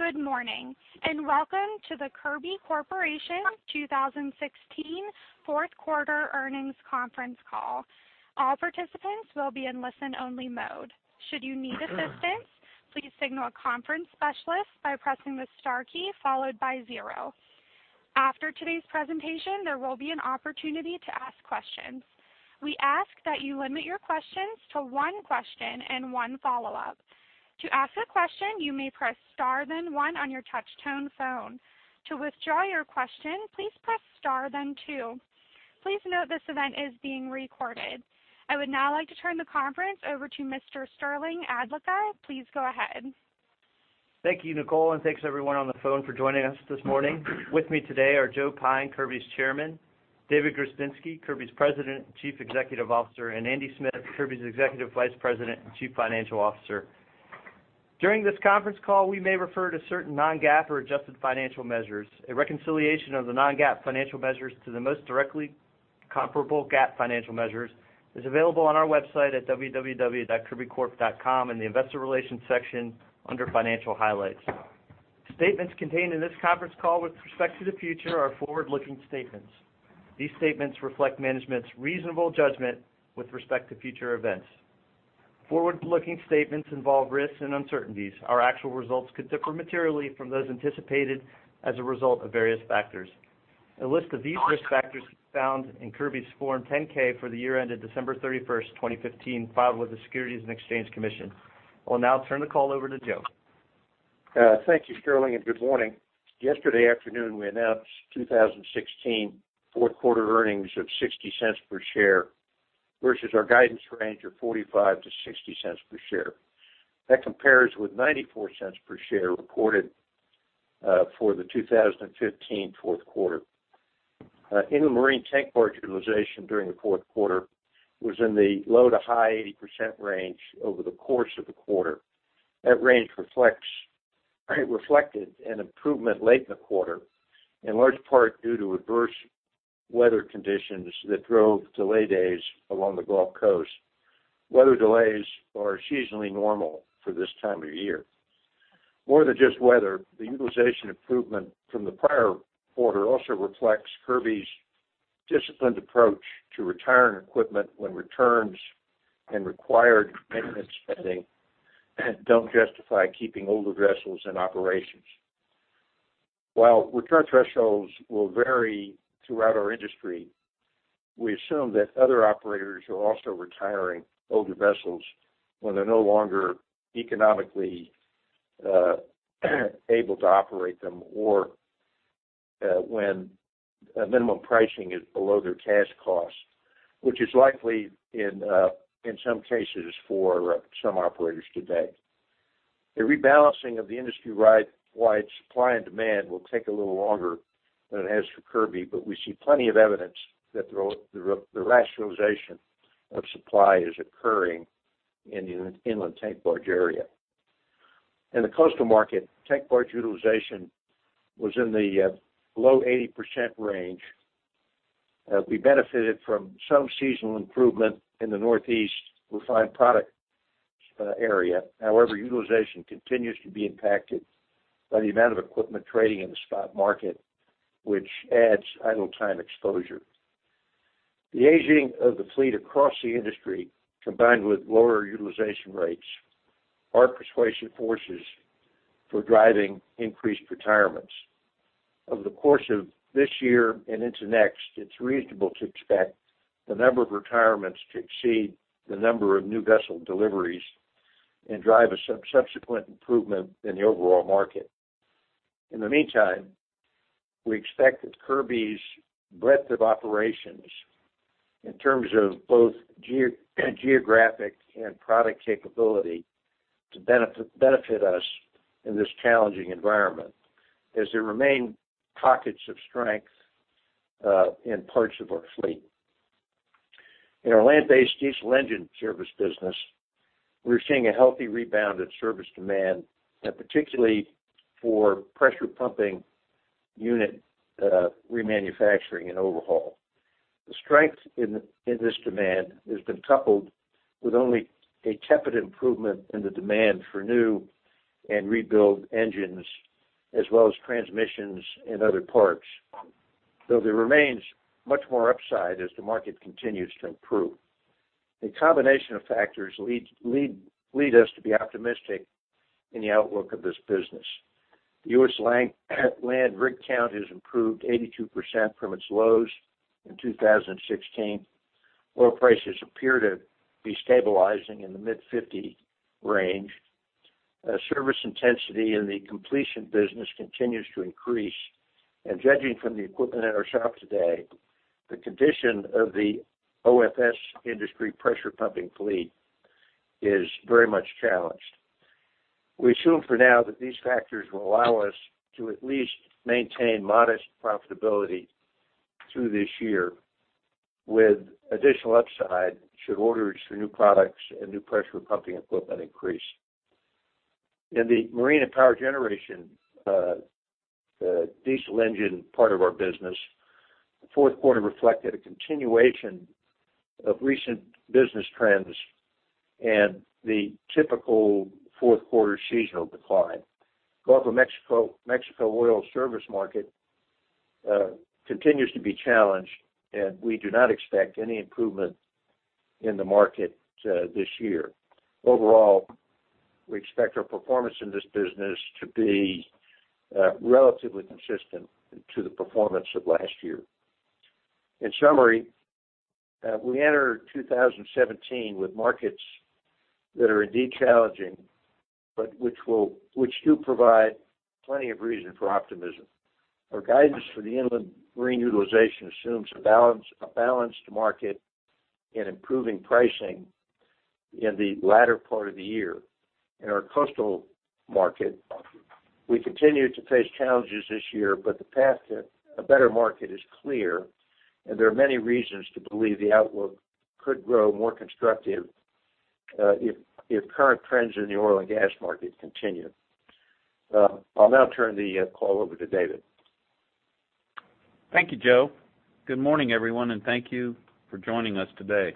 Good morning, and welcome to the Kirby Corporation 2016 Fourth Quarter Earnings Conference Call. All participants will be in listen-only mode. Should you need assistance, please signal a conference specialist by pressing the star key followed by zero. After today's presentation, there will be an opportunity to ask questions. We ask that you limit your questions to one question and one follow-up. To ask a question, you may press star, then one on your touch-tone phone. To withdraw your question, please press star, then two. Please note, this event is being recorded. I would now like to turn the conference over to Mr. Sterling Adlakha. Please go ahead. Thank you, Nicole, and thanks everyone on the phone for joining us this morning. With me today are Joe Pyne, Kirby's Chairman; David Grzebinski, Kirby's President and Chief Executive Officer; and Andy Smith, Kirby's Executive Vice President and Chief Financial Officer. During this conference call, we may refer to certain non-GAAP or adjusted financial measures. A reconciliation of the non-GAAP financial measures to the most directly comparable GAAP financial measures is available on our website at www.kirbycorp.com in the Investor Relations section under Financial Highlights. Statements contained in this conference call with respect to the future are forward-looking statements. These statements reflect management's reasonable judgment with respect to future events. Forward-looking statements involve risks and uncertainties. Our actual results could differ materially from those anticipated as a result of various factors. A list of these risk factors can be found in Kirby's Form 10-K for the year ended December 31, 2015, filed with the Securities and Exchange Commission. I will now turn the call over to Joe. Thank you, Sterling, and good morning. Yesterday afternoon, we announced 2016 fourth-quarter earnings of $0.60 per share, versus our guidance range of $0.45-$0.60 per share. That compares with $0.94 per share reported for the 2015 fourth quarter. In the marine tank barge utilization during the fourth quarter was in the low- to high-80% range over the course of the quarter. That range reflects, it reflected an improvement late in the quarter, in large part due to adverse weather conditions that drove delay days along the Gulf Coast. Weather delays are seasonally normal for this time of year. More than just weather, the utilization improvement from the prior quarter also reflects Kirby's disciplined approach to retiring equipment when returns and required maintenance spending don't justify keeping older vessels in operations. While return thresholds will vary throughout our industry, we assume that other operators are also retiring older vessels when they're no longer economically able to operate them or when minimum pricing is below their cash costs, which is likely in some cases for some operators today. A rebalancing of the industry-wide supply and demand will take a little longer than it has for Kirby, but we see plenty of evidence that the rationalization of supply is occurring in the inland tank barge area. In the coastal market, tank barge utilization was in the low 80% range. We benefited from some seasonal improvement in the Northeast refined product area. However, utilization continues to be impacted by the amount of equipment trading in the spot market, which adds idle time exposure. The aging of the fleet across the industry, combined with lower utilization rates, are persuasive forces for driving increased retirements. Over the course of this year and into next, it's reasonable to expect the number of retirements to exceed the number of new vessel deliveries and drive a subsequent improvement in the overall market. In the meantime, we expect that Kirby's breadth of operations, in terms of both geographic and product capability, to benefit us in this challenging environment as there remain pockets of strength in parts of our fleet. In our land-based diesel engine service business, we're seeing a healthy rebound in service demand, and particularly for pressure pumping unit remanufacturing and overhaul. The strength in this demand has been coupled with only a tepid improvement in the demand for new and rebuild engines, as well as transmissions and other parts, though there remains much more upside as the market continues to improve. A combination of factors lead us to be optimistic in the outlook of this business. US land rig count has improved 82% from its lows in 2016. Oil prices appear to be stabilizing in the mid-$50 range. Service intensity in the completion business continues to increase, and judging from the equipment in our shop today, the condition of the OFS industry pressure pumping fleet is very much challenged. We assume for now that these factors will allow us to at least maintain modest profitability through this year, with additional upside should orders for new products and new pressure pumping equipment increase. In the marine and power generation, diesel engine part of our business. The fourth quarter reflected a continuation of recent business trends and the typical fourth quarter seasonal decline. Gulf of Mexico, Mexico oil service market continues to be challenged, and we do not expect any improvement in the market this year. Overall, we expect our performance in this business to be relatively consistent to the performance of last year. In summary, we enter 2017 with markets that are indeed challenging, but which do provide plenty of reason for optimism. Our guidance for the inland marine utilization assumes a balance, a balanced market and improving pricing in the latter part of the year. In our coastal market, we continue to face challenges this year, but the path to a better market is clear, and there are many reasons to believe the outlook could grow more constructive, if current trends in the oil and gas market continue. I'll now turn the call over to David. Thank you, Joe. Good morning, everyone, and thank you for joining us today.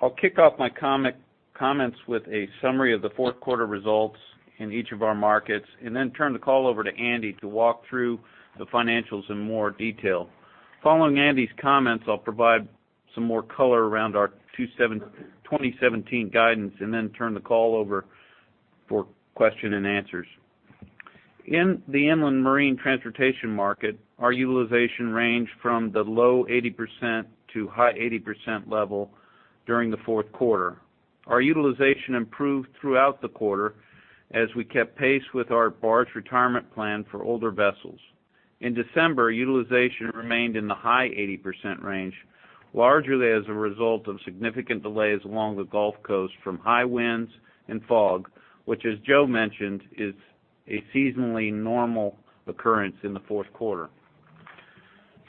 I'll kick off my comments with a summary of the fourth quarter results in each of our markets, and then turn the call over to Andy to walk through the financials in more detail. Following Andy's comments, I'll provide some more color around our 2017 guidance, and then turn the call over for question and answers. In the inland marine transportation market, our utilization ranged from the low 80% to high 80% level during the fourth quarter. Our utilization improved throughout the quarter as we kept pace with our barge retirement plan for older vessels. In December, utilization remained in the high 80% range, largely as a result of significant delays along the Gulf Coast from high winds and fog, which, as Joe mentioned, is a seasonally normal occurrence in the fourth quarter.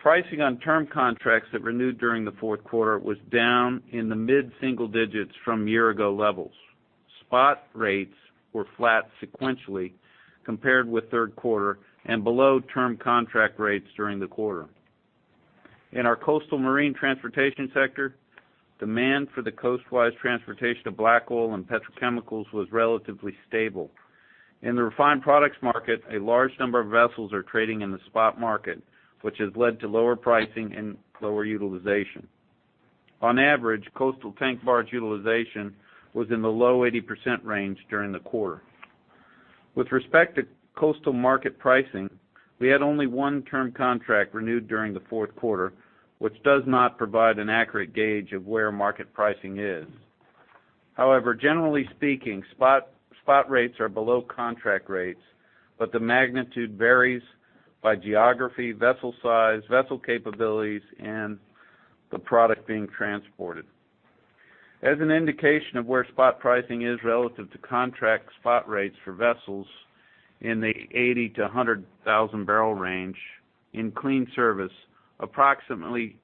Pricing on term contracts that renewed during the fourth quarter was down in the mid-single digits from year-ago levels. Spot rates were flat sequentially compared with third quarter and below term contract rates during the quarter. In our coastal marine transportation sector, demand for the coast-wise transportation of black oil and petrochemicals was relatively stable. In the refined products market, a large number of vessels are trading in the spot market, which has led to lower pricing and lower utilization. On average, coastal tank barge utilization was in the low 80% range during the quarter. With respect to coastal market pricing, we had only one term contract renewed during the fourth quarter, which does not provide an accurate gauge of where market pricing is. However, generally speaking, spot rates are below contract rates, but the magnitude varies by geography, vessel size, vessel capabilities, and the product being transported. As an indication of where spot pricing is relative to contract spot rates for vessels in the 80,000-100,000-barrel range in clean service, approximately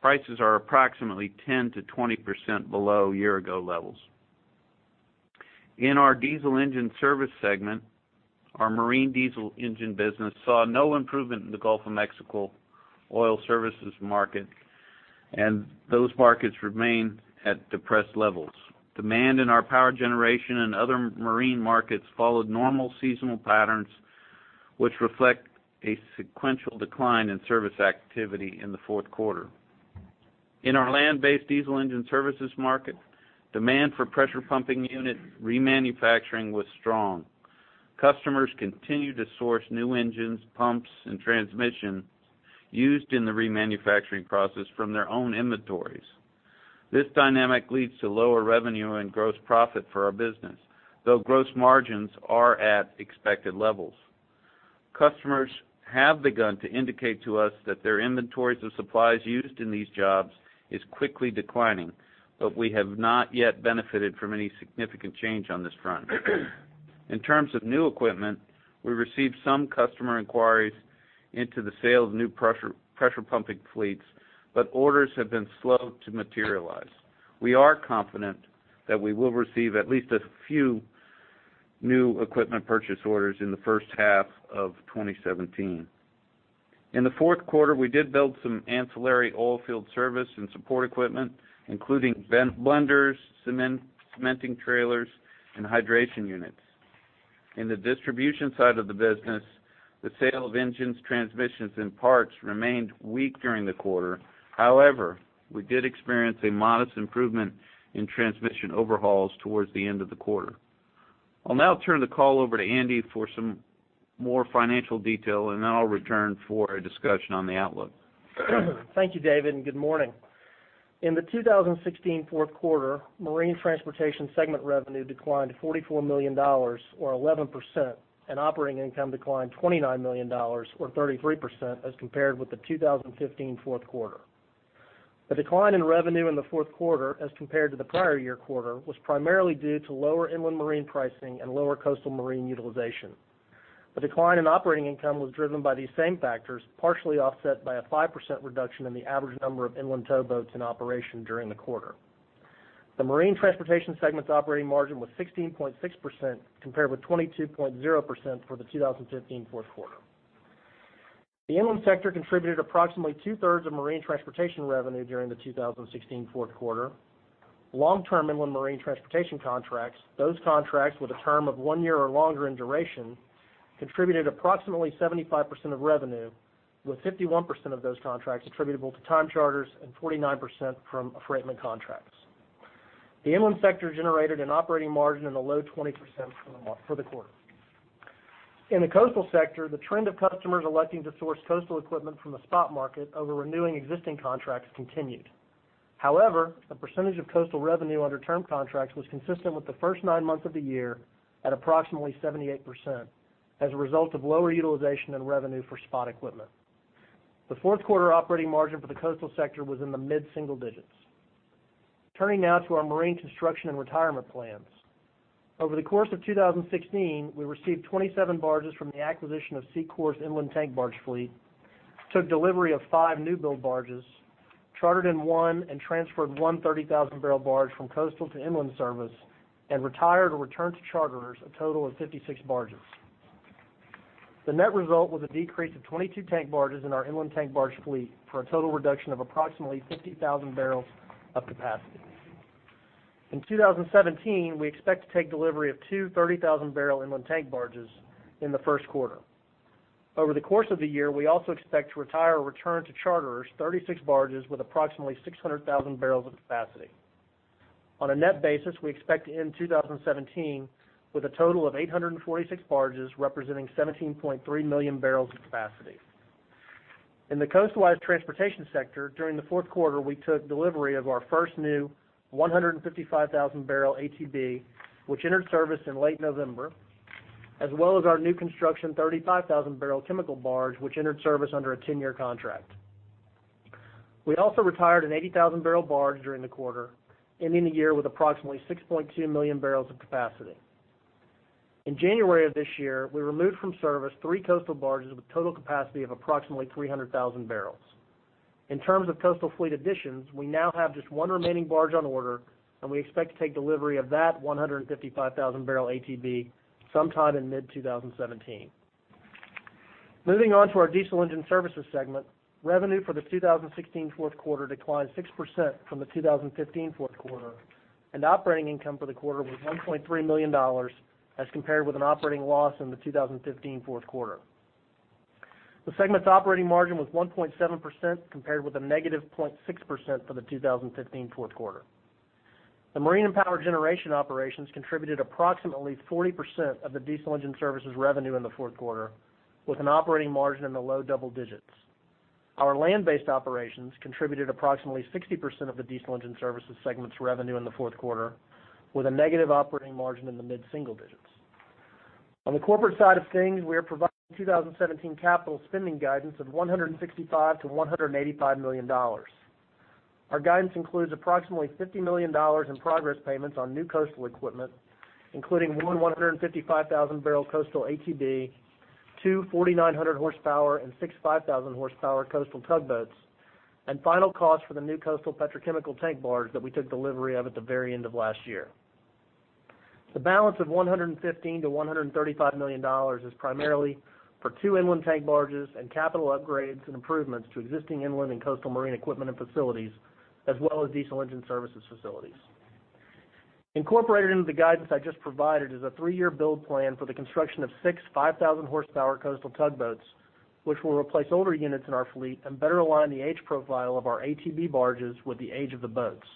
prices are approximately 10%-20% below year-ago levels. In our diesel engine service segment, our marine diesel engine business saw no improvement in the Gulf of Mexico oil services market, and those markets remain at depressed levels. Demand in our power generation and other marine markets followed normal seasonal patterns, which reflect a sequential decline in service activity in the fourth quarter. In our land-based diesel engine services market, demand for pressure pumping unit remanufacturing was strong. Customers continued to source new engines, pumps, and transmission used in the remanufacturing process from their own inventories. This dynamic leads to lower revenue and gross profit for our business, though gross margins are at expected levels. Customers have begun to indicate to us that their inventories of supplies used in these jobs is quickly declining, but we have not yet benefited from any significant change on this front. In terms of new equipment, we received some customer inquiries into the sale of new pressure pumping fleets, but orders have been slow to materialize. We are confident that we will receive at least a few new equipment purchase orders in the first half of 2017. In the fourth quarter, we did build some ancillary oil field service and support equipment, including sand blenders, cementing trailers, and hydration units. In the distribution side of the business, the sale of engines, transmissions, and parts remained weak during the quarter. However, we did experience a modest improvement in transmission overhauls towards the end of the quarter. I'll now turn the call over to Andy for some more financial detail, and then I'll return for a discussion on the outlook. Thank you, David, and good morning. In the 2016 fourth quarter, marine transportation segment revenue declined $44 million or 11%, and operating income declined $29 million or 33% as compared with the 2015 fourth quarter. The decline in revenue in the fourth quarter as compared to the prior year quarter was primarily due to lower inland marine pricing and lower coastal marine utilization. The decline in operating income was driven by these same factors, partially offset by a 5% reduction in the average number of inland towboats in operation during the quarter... The marine transportation segment's operating margin was 16.6%, compared with 22.0% for the 2015 fourth quarter. The inland sector contributed approximately two-thirds of marine transportation revenue during the 2016 fourth quarter. Long-term inland marine transportation contracts, those contracts with a term of one year or longer in duration, contributed approximately 75% of revenue, with 51% of those contracts attributable to time charters and 49% from contracts of affreightment. The inland sector generated an operating margin in the low 20% for the quarter. In the coastal sector, the trend of customers electing to source coastal equipment from the spot market over renewing existing contracts continued. However, the percentage of coastal revenue under term contracts was consistent with the first nine months of the year at approximately 78%, as a result of lower utilization and revenue for spot equipment. The fourth quarter operating margin for the coastal sector was in the mid-single digits. Turning now to our marine construction and retirement plans. Over the course of 2016, we received 27 barges from the acquisition of Seacor's inland tank barge fleet, took delivery of five new build barges, chartered in one, and transferred one 30,000-barrel barge from coastal to inland service, and retired or returned to charterers a total of 56 barges. The net result was a decrease of 22 tank barges in our inland tank barge fleet for a total reduction of approximately 50,000 barrels of capacity. In 2017, we expect to take delivery of two 30,000-barrel inland tank barges in the first quarter. Over the course of the year, we also expect to retire or return to charterers 36 barges with approximately 600,000 barrels of capacity. On a net basis, we expect to end 2017 with a total of 846 barges, representing 17.3 million barrels of capacity. In the coastwise transportation sector, during the fourth quarter, we took delivery of our first new 155,000-barrel ATB, which entered service in late November, as well as our new construction 35,000-barrel chemical barge, which entered service under a ten-year contract. We also retired an 80,000-barrel barge during the quarter, ending the year with approximately 6.2 million barrels of capacity. In January of this year, we removed from service three coastal barges with total capacity of approximately 300,000 barrels. In terms of coastal fleet additions, we now have just 1 remaining barge on order, and we expect to take delivery of that 155,000-barrel ATB sometime in mid-2017. Moving on to our diesel engine services segment. Revenue for the 2016 fourth quarter declined 6% from the 2015 fourth quarter, and operating income for the quarter was $1.3 million, as compared with an operating loss in the 2015 fourth quarter. The segment's operating margin was 1.7%, compared with a negative 0.6% for the 2015 fourth quarter. The marine and power generation operations contributed approximately 40% of the diesel engine services revenue in the fourth quarter, with an operating margin in the low double digits. Our land-based operations contributed approximately 60% of the diesel engine services segment's revenue in the fourth quarter, with a negative operating margin in the mid-single digits. On the corporate side of things, we are providing 2017 capital spending guidance of $165 million-$185 million. Our guidance includes approximately $50 million in progress payments on new coastal equipment, including one 155,000-barrel coastal ATB, two 4,900-horsepower and six 5,000-horsepower coastal tugboats, and final costs for the new coastal petrochemical tank barge that we took delivery of at the very end of last year. The balance of $115 million-$135 million is primarily for two inland tank barges and capital upgrades and improvements to existing inland and coastal marine equipment and facilities, as well as diesel engine services facilities. Incorporated into the guidance I just provided is a three-year build plan for the construction of six 5,000-horsepower coastal tugboats, which will replace older units in our fleet and better align the age profile of our ATB barges with the age of the boats.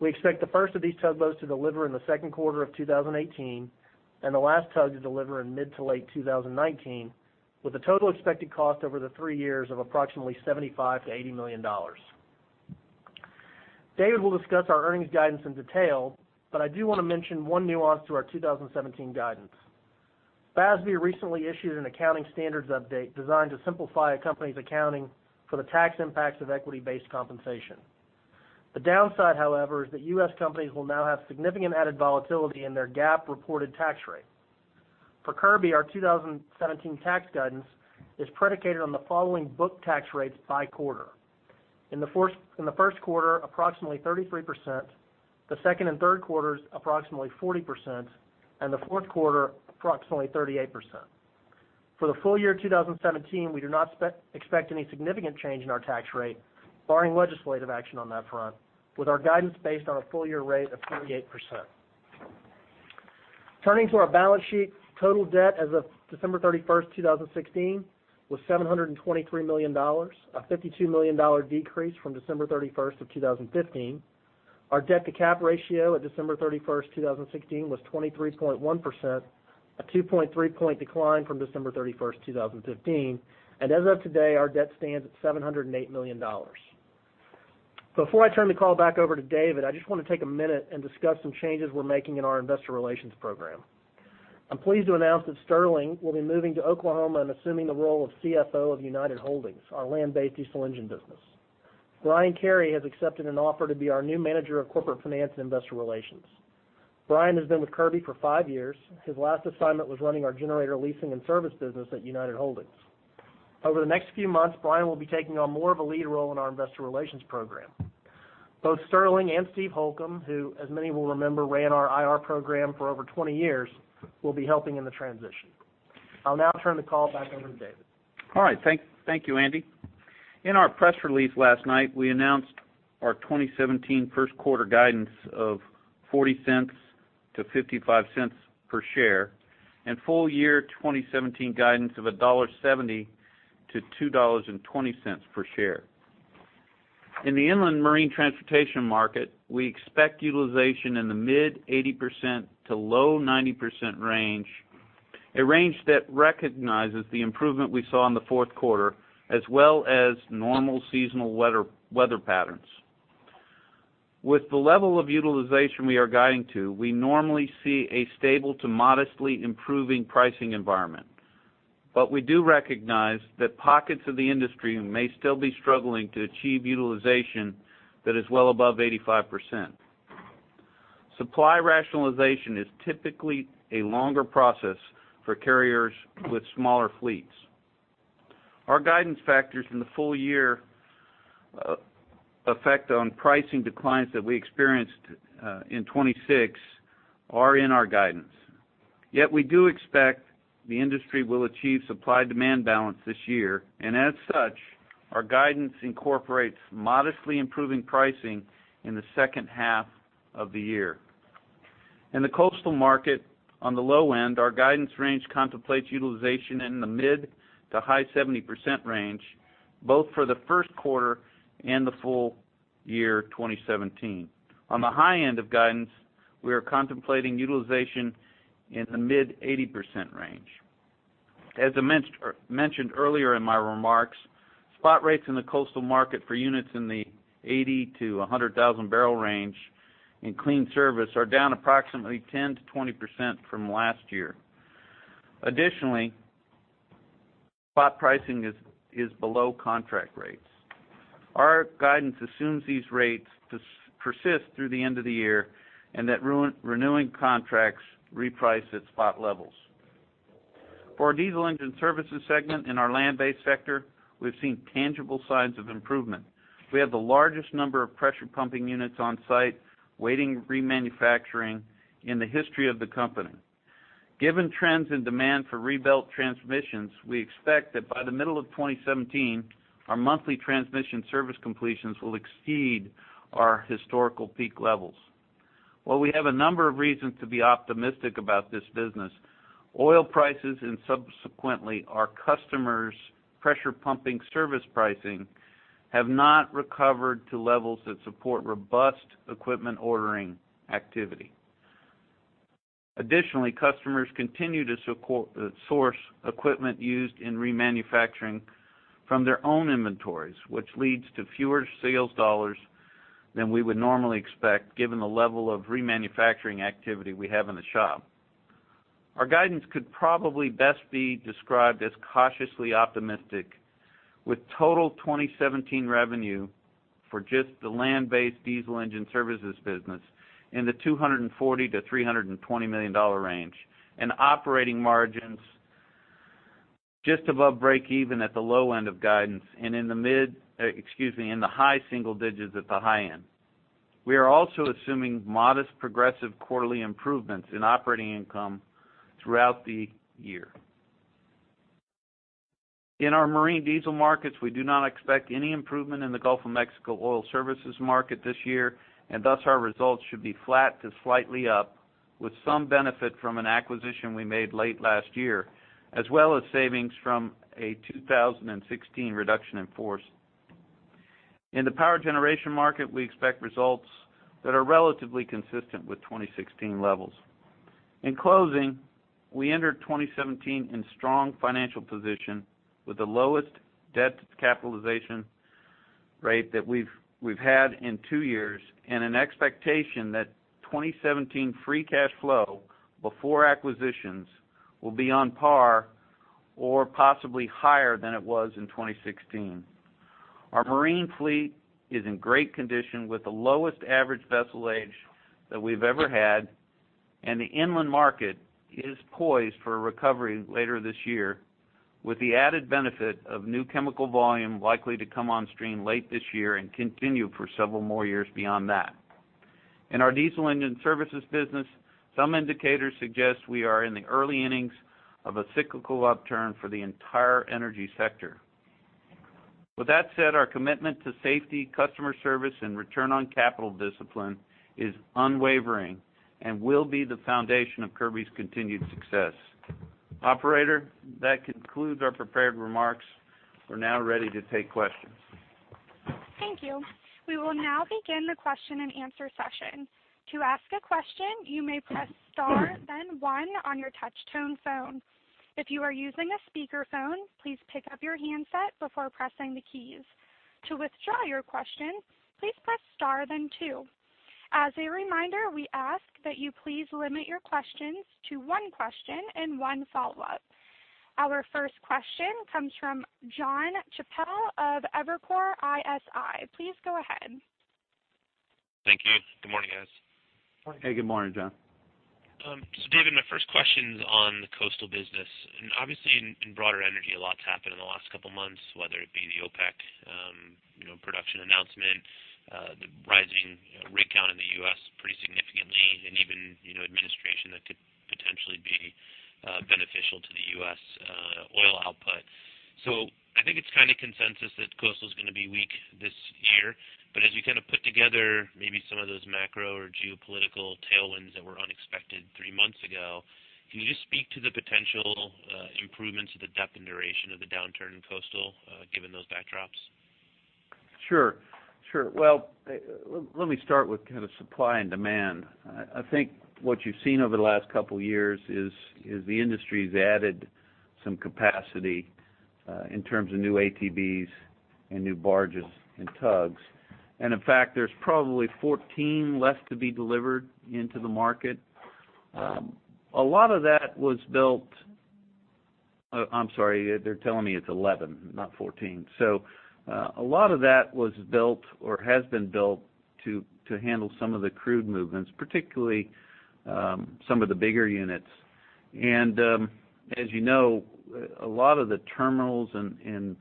We expect the first of these tugboats to deliver in the second quarter of 2018, and the last tug to deliver in mid-to-late 2019, with a total expected cost over the three years of approximately $75 million-$80 million. David will discuss our earnings guidance in detail, but I do want to mention one nuance to our 2017 guidance. FASB recently issued an accounting standards update designed to simplify a company's accounting for the tax impacts of equity-based compensation. The downside, however, is that U.S. companies will now have significant added volatility in their GAAP-reported tax rate. For Kirby, our 2017 tax guidance is predicated on the following book tax rates by quarter. In the first quarter, approximately 33%, the second and third quarters, approximately 40%, and the fourth quarter, approximately 38%. For the full year 2017, we do not expect any significant change in our tax rate, barring legislative action on that front, with our guidance based on a full year rate of 38%. Turning to our balance sheet. Total debt as of December 31, 2016, was $723 million, a $52 million decrease from December 31, 2015. Our debt-to-cap ratio at December 31, 2016, was 23.1%, a 2.3-point decline from December 31, 2015. As of today, our debt stands at $708 million. Before I turn the call back over to David, I just want to take a minute and discuss some changes we're making in our investor relations program. I'm pleased to announce that Sterling will be moving to Oklahoma and assuming the role of CFO of United Holdings, our land-based diesel engine business. Brian Carey has accepted an offer to be our new Manager of Corporate Finance and Investor Relations. Brian has been with Kirby for five years. His last assignment was running our generator leasing and service business at United Holdings. Over the next few months, Brian will be taking on more of a lead role in our investor relations program. Both Sterling and Steve Holcomb, who, as many will remember, ran our IR program for over 20 years, will be helping in the transition. I'll now turn the call back over to David. All right. Thank you, Andy. In our press release last night, we announced our 2017 first quarter guidance of $0.40-$0.55 per share and full year 2017 guidance of $1.70-$2.20 per share. In the inland marine transportation market, we expect utilization in the mid-80% to low-90% range, a range that recognizes the improvement we saw in the fourth quarter, as well as normal seasonal weather patterns. With the level of utilization we are guiding to, we normally see a stable to modestly improving pricing environment. But we do recognize that pockets of the industry may still be struggling to achieve utilization that is well above 85%. Supply rationalization is typically a longer process for carriers with smaller fleets. Our guidance factors in the full year effect on pricing declines that we experienced in 2016 are in our guidance. Yet we do expect the industry will achieve supply-demand balance this year, and as such, our guidance incorporates modestly improving pricing in the second half of the year. In the coastal market, on the low end, our guidance range contemplates utilization in the mid- to high-70% range, both for the first quarter and the full year 2017. On the high end of guidance, we are contemplating utilization in the mid-80% range. As I mentioned earlier in my remarks, spot rates in the coastal market for units in the 80,000- to 100,000-barrel range in clean service are down approximately 10%-20% from last year. Additionally, spot pricing is below contract rates. Our guidance assumes these rates persist through the end of the year and that renewing contracts reprice at spot levels. For our diesel engine services segment in our land-based sector, we've seen tangible signs of improvement. We have the largest number of pressure pumping units on site, waiting for remanufacturing in the history of the company. Given trends in demand for rebuilt transmissions, we expect that by the middle of 2017, our monthly transmission service completions will exceed our historical peak levels. While we have a number of reasons to be optimistic about this business, oil prices and subsequently, our customers' pressure pumping service pricing, have not recovered to levels that support robust equipment ordering activity. Additionally, customers continue to support source equipment used in remanufacturing from their own inventories, which leads to fewer sales dollars than we would normally expect, given the level of remanufacturing activity we have in the shop. Our guidance could probably best be described as cautiously optimistic, with total 2017 revenue for just the land-based diesel engine services business in the $240 million-$320 million range, and operating margins just above breakeven at the low end of guidance and in the mid, excuse me, in the high single digits at the high end. We are also assuming modest progressive quarterly improvements in operating income throughout the year. In our marine diesel markets, we do not expect any improvement in the Gulf of Mexico oil services market this year, and thus, our results should be flat to slightly up, with some benefit from an acquisition we made late last year, as well as savings from a 2016 reduction in force. In the power generation market, we expect results that are relatively consistent with 2016 levels. In closing, we entered 2017 in strong financial position with the lowest debt-to-capitalization rate that we've had in two years, and an expectation that 2017 free Cash Flow before acquisitions will be on par or possibly higher than it was in 2016. Our marine fleet is in great condition, with the lowest average vessel age that we've ever had, and the inland market is poised for a recovery later this year, with the added benefit of new chemical volume likely to come on stream late this year and continue for several more years beyond that. In our diesel engine services business, some indicators suggest we are in the early innings of a cyclical upturn for the entire energy sector. With that said, our commitment to safety, customer service, and return on capital discipline is unwavering and will be the foundation of Kirby's continued success. Operator, that concludes our prepared remarks. We're now ready to take questions. Thank you. We will now begin the question and answer session. To ask a question, you may press star, then one on your touch tone phone. If you are using a speakerphone, please pick up your handset before pressing the keys. To withdraw your question, please press star, then two. As a reminder, we ask that you please limit your questions to one question and one follow-up. Our first question comes from John Chappell of Evercore ISI. Please go ahead.... Thank you. Good morning, guys. Hey, good morning, John. So David, my first question's on the coastal business. And obviously, in broader energy, a lot's happened in the last couple months, whether it be the OPEC, you know, production announcement, the rising, you know, rig count in the U.S. pretty significantly, and even, you know, administration that could potentially be beneficial to the U.S. oil output. So I think it's kind of consensus that coastal is gonna be weak this year. But as you kind of put together maybe some of those macro or geopolitical tailwinds that were unexpected three months ago, can you just speak to the potential improvements to the depth and duration of the downturn in coastal given those backdrops? Sure, sure. Well, let me start with kind of supply and demand. I think what you've seen over the last couple years is the industry's added some capacity in terms of new ATBs and new barges and tugs. And in fact, there's probably 14 left to be delivered into the market. A lot of that was built. I'm sorry, they're telling me it's 11, not 14. So, a lot of that was built or has been built to handle some of the crude movements, particularly some of the bigger units. And, as you know, a lot of the terminals and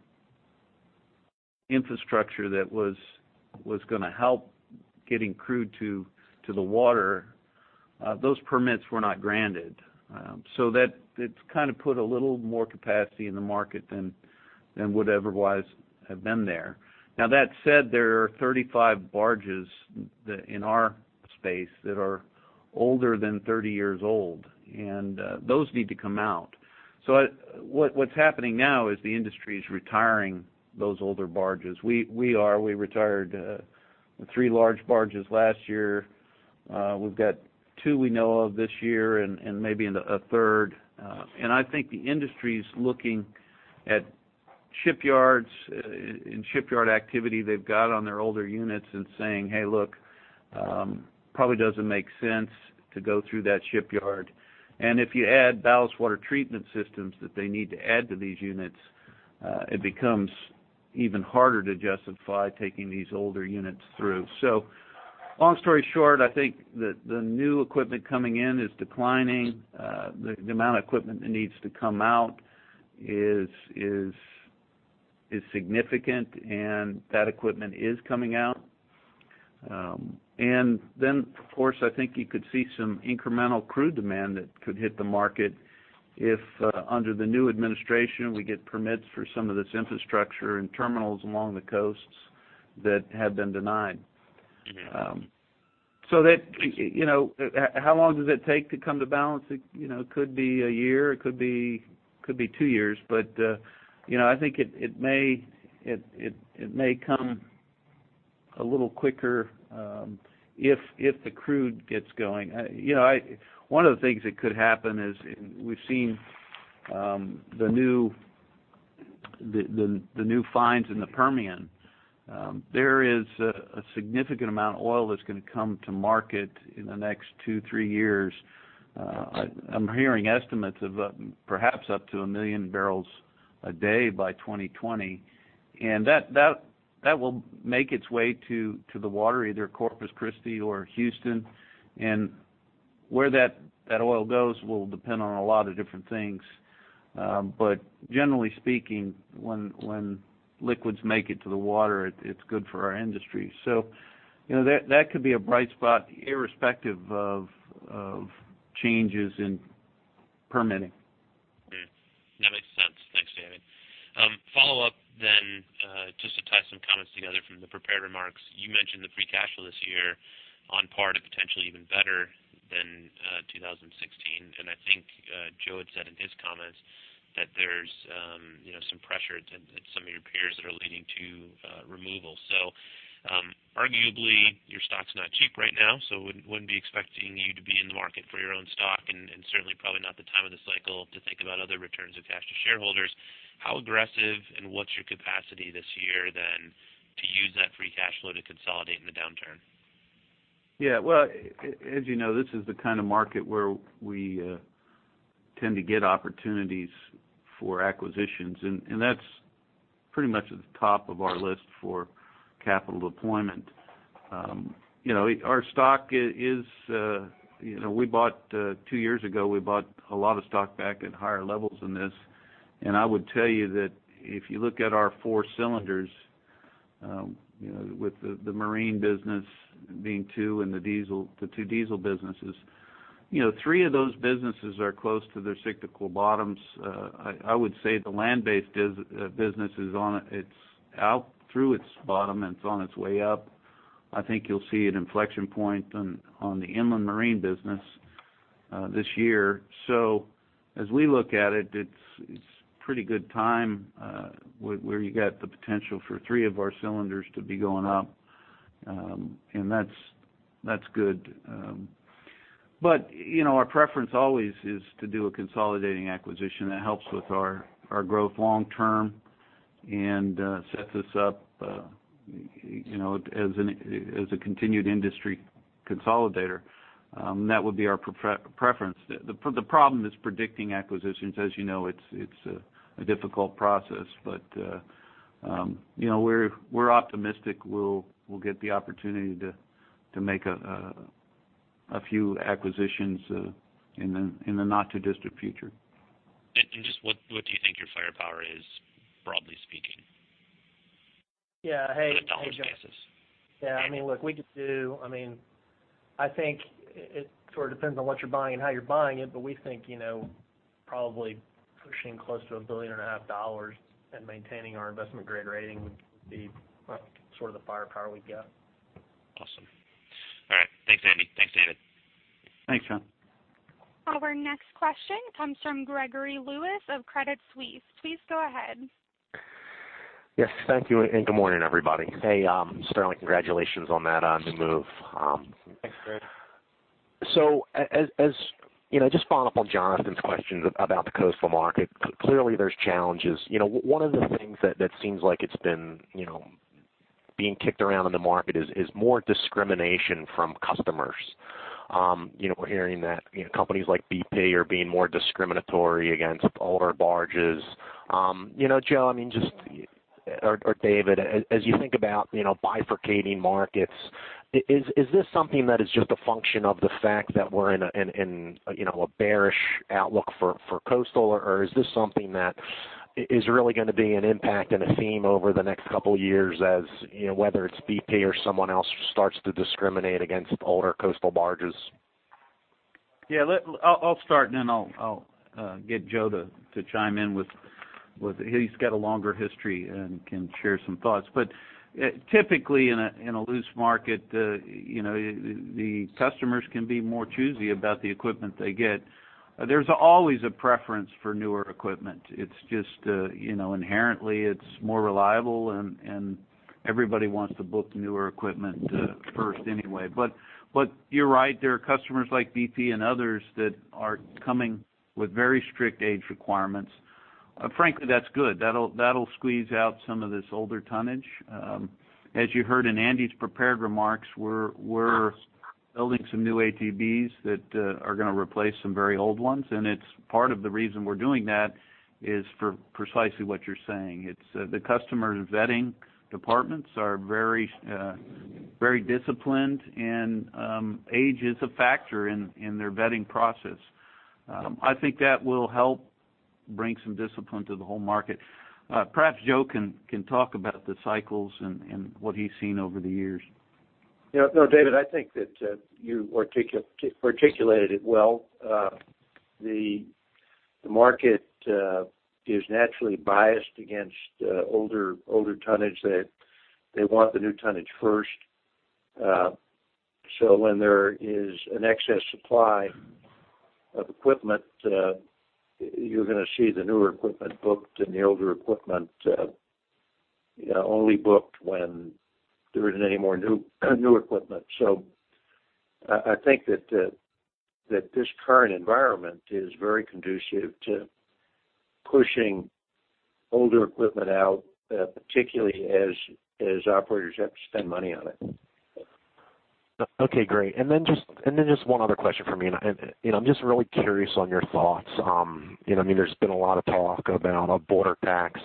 infrastructure that was gonna help getting crude to the water, those permits were not granted. So that's kind of put a little more capacity in the market than than would otherwise have been there. Now, that said, there are 35 barges in our space that are older than 30 years old, and those need to come out. So what's happening now is the industry is retiring those older barges. We retired three large barges last year. We've got two we know of this year and maybe a third. And I think the industry's looking at shipyards and shipyard activity they've got on their older units and saying, "Hey, look, probably doesn't make sense to go through that shipyard." And if you add ballast water treatment systems that they need to add to these units, it becomes even harder to justify taking these older units through. So long story short, I think the new equipment coming in is declining. The amount of equipment that needs to come out is significant, and that equipment is coming out. And then, of course, I think you could see some incremental crude demand that could hit the market if, under the new administration, we get permits for some of this infrastructure and terminals along the coasts that have been denied. Mm-hmm. So that, you know, how long does it take to come to balance? It, you know, could be a year. It could be two years. But, you know, I think it may come a little quicker, if the crude gets going. You know, one of the things that could happen is, we've seen the new finds in the Permian. There is a significant amount of oil that's gonna come to market in the next 2-3 years. I'm hearing estimates of, perhaps up to 1 million barrels a day by 2020. And that will make its way to the water, either Corpus Christi or Houston. And where that oil goes will depend on a lot of different things. Generally speaking, when liquids make it to the water, it's good for our industry. So, you know, that could be a bright spot, irrespective of changes in permitting. Hmm, that makes sense. Thanks, David. Follow-up then, just to tie some comments together from the prepared remarks. You mentioned the free cash flow this year on par to potentially even better than 2016. And I think, Joe had said in his comments that there's, you know, some pressure at some of your peers that are leading to removal. So, arguably, your stock's not cheap right now, so wouldn't be expecting you to be in the market for your own stock, and certainly probably not the time of the cycle to think about other returns of cash to shareholders. How aggressive, and what's your capacity this year then, to use that free cash flow to consolidate in the downturn? Yeah, well, as you know, this is the kind of market where we tend to get opportunities for acquisitions, and that's pretty much at the top of our list for capital deployment. You know, our stock is, you know, we bought two years ago, we bought a lot of stock back at higher levels than this. I would tell you that if you look at our four cylinders, you know, with the marine business being two and the diesel, the two diesel businesses, you know, three of those businesses are close to their cyclical bottoms. I would say the land-based business is, it's out through its bottom, and it's on its way up. I think you'll see an inflection point on the inland marine business this year. So as we look at it, it's a pretty good time where you got the potential for three of our cylinders to be going up, and that's good. But you know, our preference always is to do a consolidating acquisition that helps with our growth long term and sets us up, you know, as a continued industry consolidator, that would be our preference. The problem is predicting acquisitions, as you know, it's a difficult process, but you know, we're optimistic we'll get the opportunity to make a few acquisitions in the not-too-distant future. Just what do you think your firepower is, broadly speaking? Yeah. Hey- A dollar guess. Yeah, I mean, look, we just do—I mean, I think it, it sort of depends on what you're buying and how you're buying it, but we think, you know, probably pushing close to $1.5 billion and maintaining our investment-grade rating would be sort of the firepower we've got. Awesome. All right. Thanks, Andy. Thanks, David. Thanks, John. Our next question comes from Gregory Lewis of Credit Suisse. Please go ahead. Yes, thank you, and good morning, everybody. Hey, Sterling, congratulations on that new move. Thanks, Greg. So as you know, just following up on Jonathan's question about the coastal market, clearly, there's challenges. You know, one of the things that seems like it's been, you know, being kicked around in the market is more discrimination from customers. You know, we're hearing that, you know, companies like BP are being more discriminatory against older barges. You know, Joe, I mean, just... Or David, as you think about, you know, bifurcating markets, is this something that is just a function of the fact that we're in a, you know, a bearish outlook for coastal, or is this something that is really gonna be an impact and a theme over the next couple of years, as you know, whether it's BP or someone else starts to discriminate against older coastal barges? Yeah, I'll start, and then I'll get Joe to chime in with, he's got a longer history and can share some thoughts. But, typically, in a loose market, you know, the customers can be more choosy about the equipment they get. There's always a preference for newer equipment. It's just, you know, inherently, it's more reliable, and everybody wants to book the newer equipment first anyway. But you're right, there are customers like BP and others that are coming with very strict age requirements. Frankly, that's good. That'll squeeze out some of this older tonnage. As you heard in Andy's prepared remarks, we're building some new ATBs that are gonna replace some very old ones, and it's part of the reason we're doing that is for precisely what you're saying. It's the customer vetting departments are very, very disciplined, and age is a factor in their vetting process. I think that will help bring some discipline to the whole market. Perhaps Joe can talk about the cycles and what he's seen over the years. Yeah. No, David, I think that you articulated it well. The market is naturally biased against older tonnage. They want the new tonnage first. So when there is an excess supply of equipment, you're gonna see the newer equipment booked and the older equipment, you know, only booked when there isn't any more new equipment. So I think that this current environment is very conducive to pushing older equipment out, particularly as operators have to spend money on it. Okay, great. And then just one other question from me, and, you know, I'm just really curious on your thoughts. You know, I mean, there's been a lot of talk about a border tax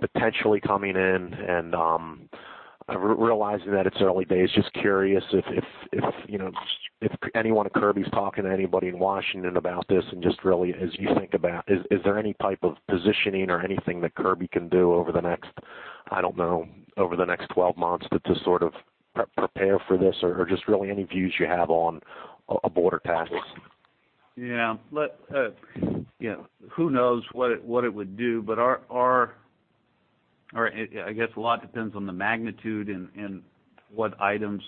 potentially coming in, and realizing that it's early days, just curious if, you know, if anyone at Kirby's talking to anybody in Washington about this and just really, as you think about, is there any type of positioning or anything that Kirby can do over the next, I don't know, over the next 12 months, but to sort of prepare for this or just really any views you have on a border tax? Yeah. You know, who knows what it would do? But I guess a lot depends on the magnitude and what items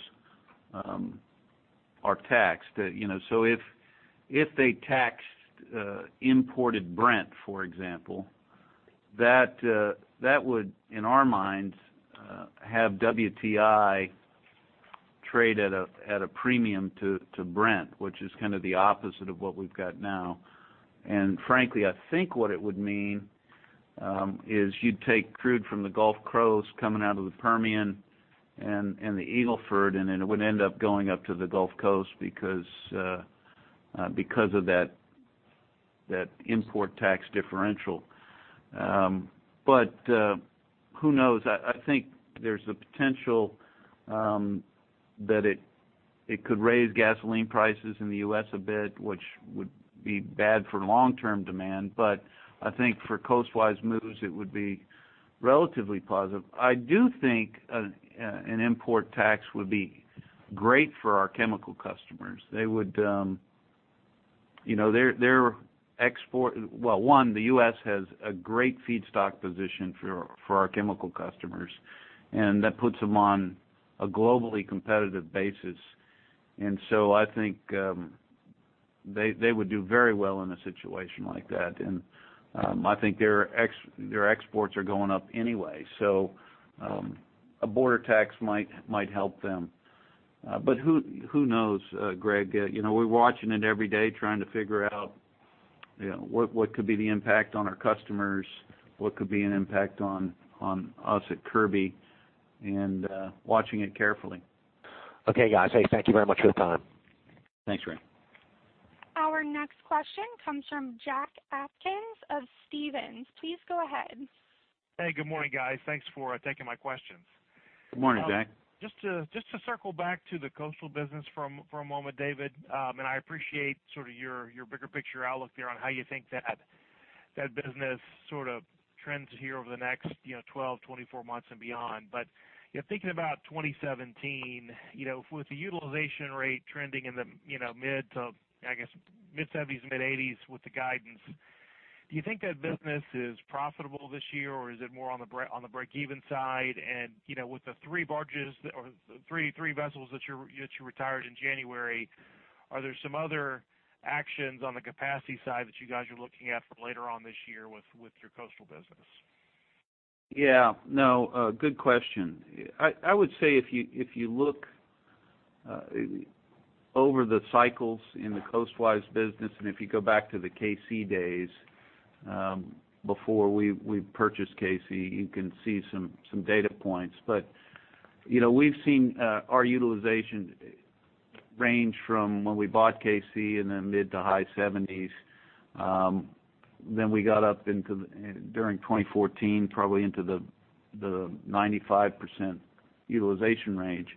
are taxed. You know, so if they taxed imported Brent, for example, that would, in our minds, have WTI trade at a premium to Brent, which is kind of the opposite of what we've got now. And frankly, I think what it would mean is you'd take crude from the Gulf Coast coming out of the Permian and the Eagle Ford, and it would end up going up to the Gulf Coast because of that import tax differential. But who knows? I think there's a potential that it could raise gasoline prices in the US a bit, which would be bad for long-term demand, but I think for coastwise moves, it would be relatively positive. I do think an import tax would be great for our chemical customers. They would, you know, Well, one, the US has a great feedstock position for our chemical customers, and that puts them on a globally competitive basis. And so I think they would do very well in a situation like that, and I think their exports are going up anyway, so a border tax might help them. But who knows, Greg? You know, we're watching it every day, trying to figure out, yeah, what could be the impact on our customers? What could be an impact on us at Kirby, and watching it carefully. Okay, guys. Hey, thank you very much for the time. Thanks, Ray. Our next question comes from Jack Atkins of Stephens. Please go ahead. Hey, good morning, guys. Thanks for taking my questions. Good morning, Jack. Just to circle back to the coastal business for a moment, David, and I appreciate sort of your bigger picture outlook there on how you think that business sort of trends here over the next, you know, 12, 24 months and beyond. But, yeah, thinking about 2017, you know, with the utilization rate trending in the, you know, mid- to, I guess, mid-70s to mid-80s with the guidance, do you think that business is profitable this year, or is it more on the break-even side? And, you know, with the three barges or the three vessels that you retired in January, are there some other actions on the capacity side that you guys are looking at for later on this year with your coastal business? Yeah. No, good question. I would say if you look over the cycles in the Coastwise business, and if you go back to the K-Sea days, before we purchased K-Sea, you can see some data points. But, you know, we've seen our utilization range from when we bought K-Sea in the mid- to high 70s. Then we got up into the during 2014, probably into the 95% utilization range.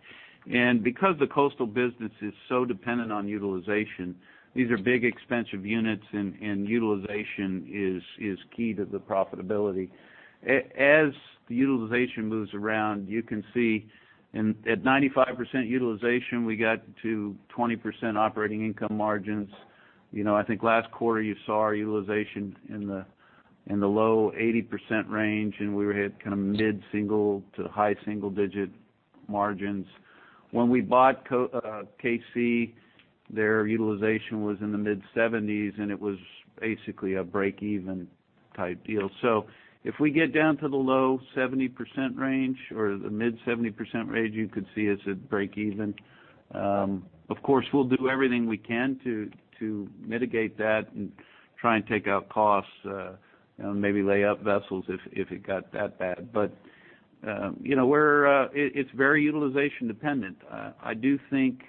And because the coastal business is so dependent on utilization, these are big, expensive units, and utilization is key to the profitability. As the utilization moves around, you can see, and at 95% utilization, we got to 20% operating income margins. You know, I think last quarter, you saw our utilization in the low 80% range, and we were hit kind of mid-single to high single digit margins. When we bought K-Sea, their utilization was in the mid 70%, and it was basically a break-even type deal. If we get down to the low 70% range or the mid 70% range, you could see us at break-even. Of course, we'll do everything we can to mitigate that and try and take out costs, you know, maybe lay up vessels if it got that bad. You know, we're, it's very utilization dependent. I do think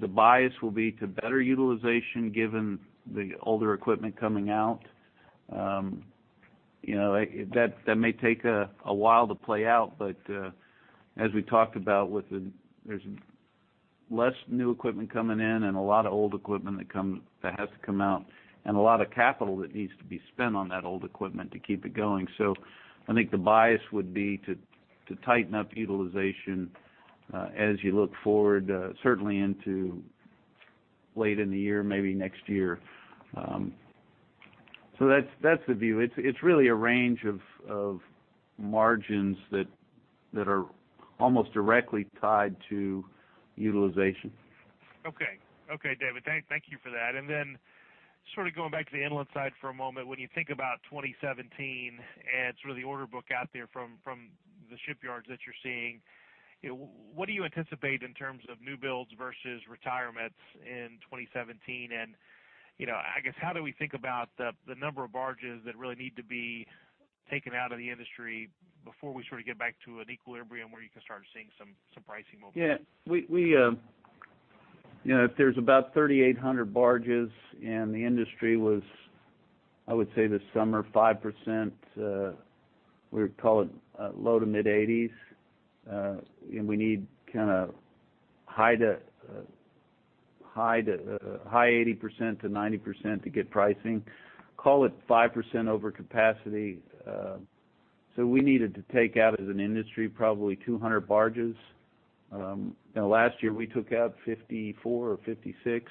the bias will be to better utilization, given the older equipment coming out. You know, that may take a while to play out, but as we talked about with the-- there's less new equipment coming in and a lot of old equipment that has to come out, and a lot of capital that needs to be spent on that old equipment to keep it going. So I think the bias would be to tighten up utilization as you look forward, certainly into late in the year, maybe next year. So that's the view. It's really a range of margins that are almost directly tied to utilization. Okay. Okay, David, thank you for that. And then sort of going back to the inland side for a moment. When you think about 2017, and sort of the order book out there from the shipyards that you're seeing, what do you anticipate in terms of new builds versus retirements in 2017? And, you know, I guess, how do we think about the number of barges that really need to be taken out of the industry before we sort of get back to an equilibrium where you can start seeing some pricing movement? Yeah. We, we, you know, if there's about 3,800 barges, and the industry was, I would say this summer, 5%, we would call it, low to mid-80s. And we need kind of high to, high to, high 80% to 90% to get pricing. Call it 5% over capacity, so we needed to take out, as an industry, probably 200 barges. And last year, we took out 54 or 56.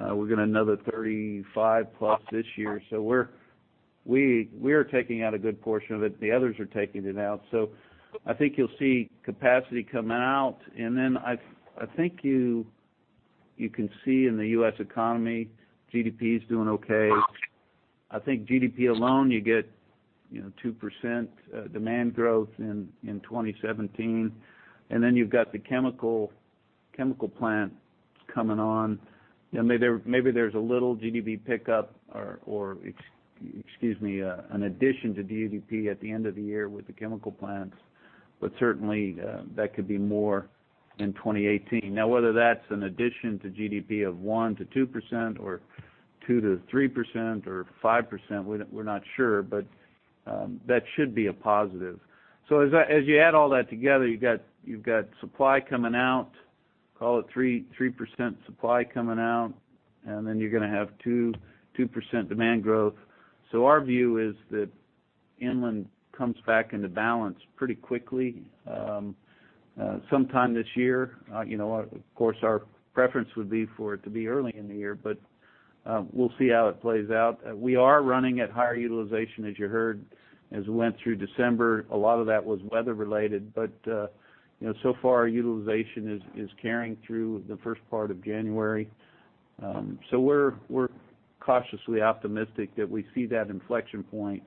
We're getting another 35+ this year, so we're, we, we are taking out a good portion of it, the others are taking it out. So I think you'll see capacity come out, and then I, I think you, you can see in the U.S. economy, GDP is doing okay. I think GDP alone, you know, 2% demand growth in 2017, and then you've got the chemical plant coming on. You know, maybe there's a little GDP pickup or an addition to GDP at the end of the year with the chemical plants, but certainly that could be more in 2018. Now, whether that's an addition to GDP of 1%-2% or 2%-3% or 5%, we're not sure, but that should be a positive. So as you add all that together, you've got supply coming out, call it 3% supply coming out, and then you're gonna have 2% demand growth. So our view is that inland comes back into balance pretty quickly sometime this year. You know, of course, our preference would be for it to be early in the year, but, we'll see how it plays out. We are running at higher utilization, as you heard, as we went through December. A lot of that was weather related, but, you know, so far, utilization is carrying through the first part of January. So we're cautiously optimistic that we see that inflection point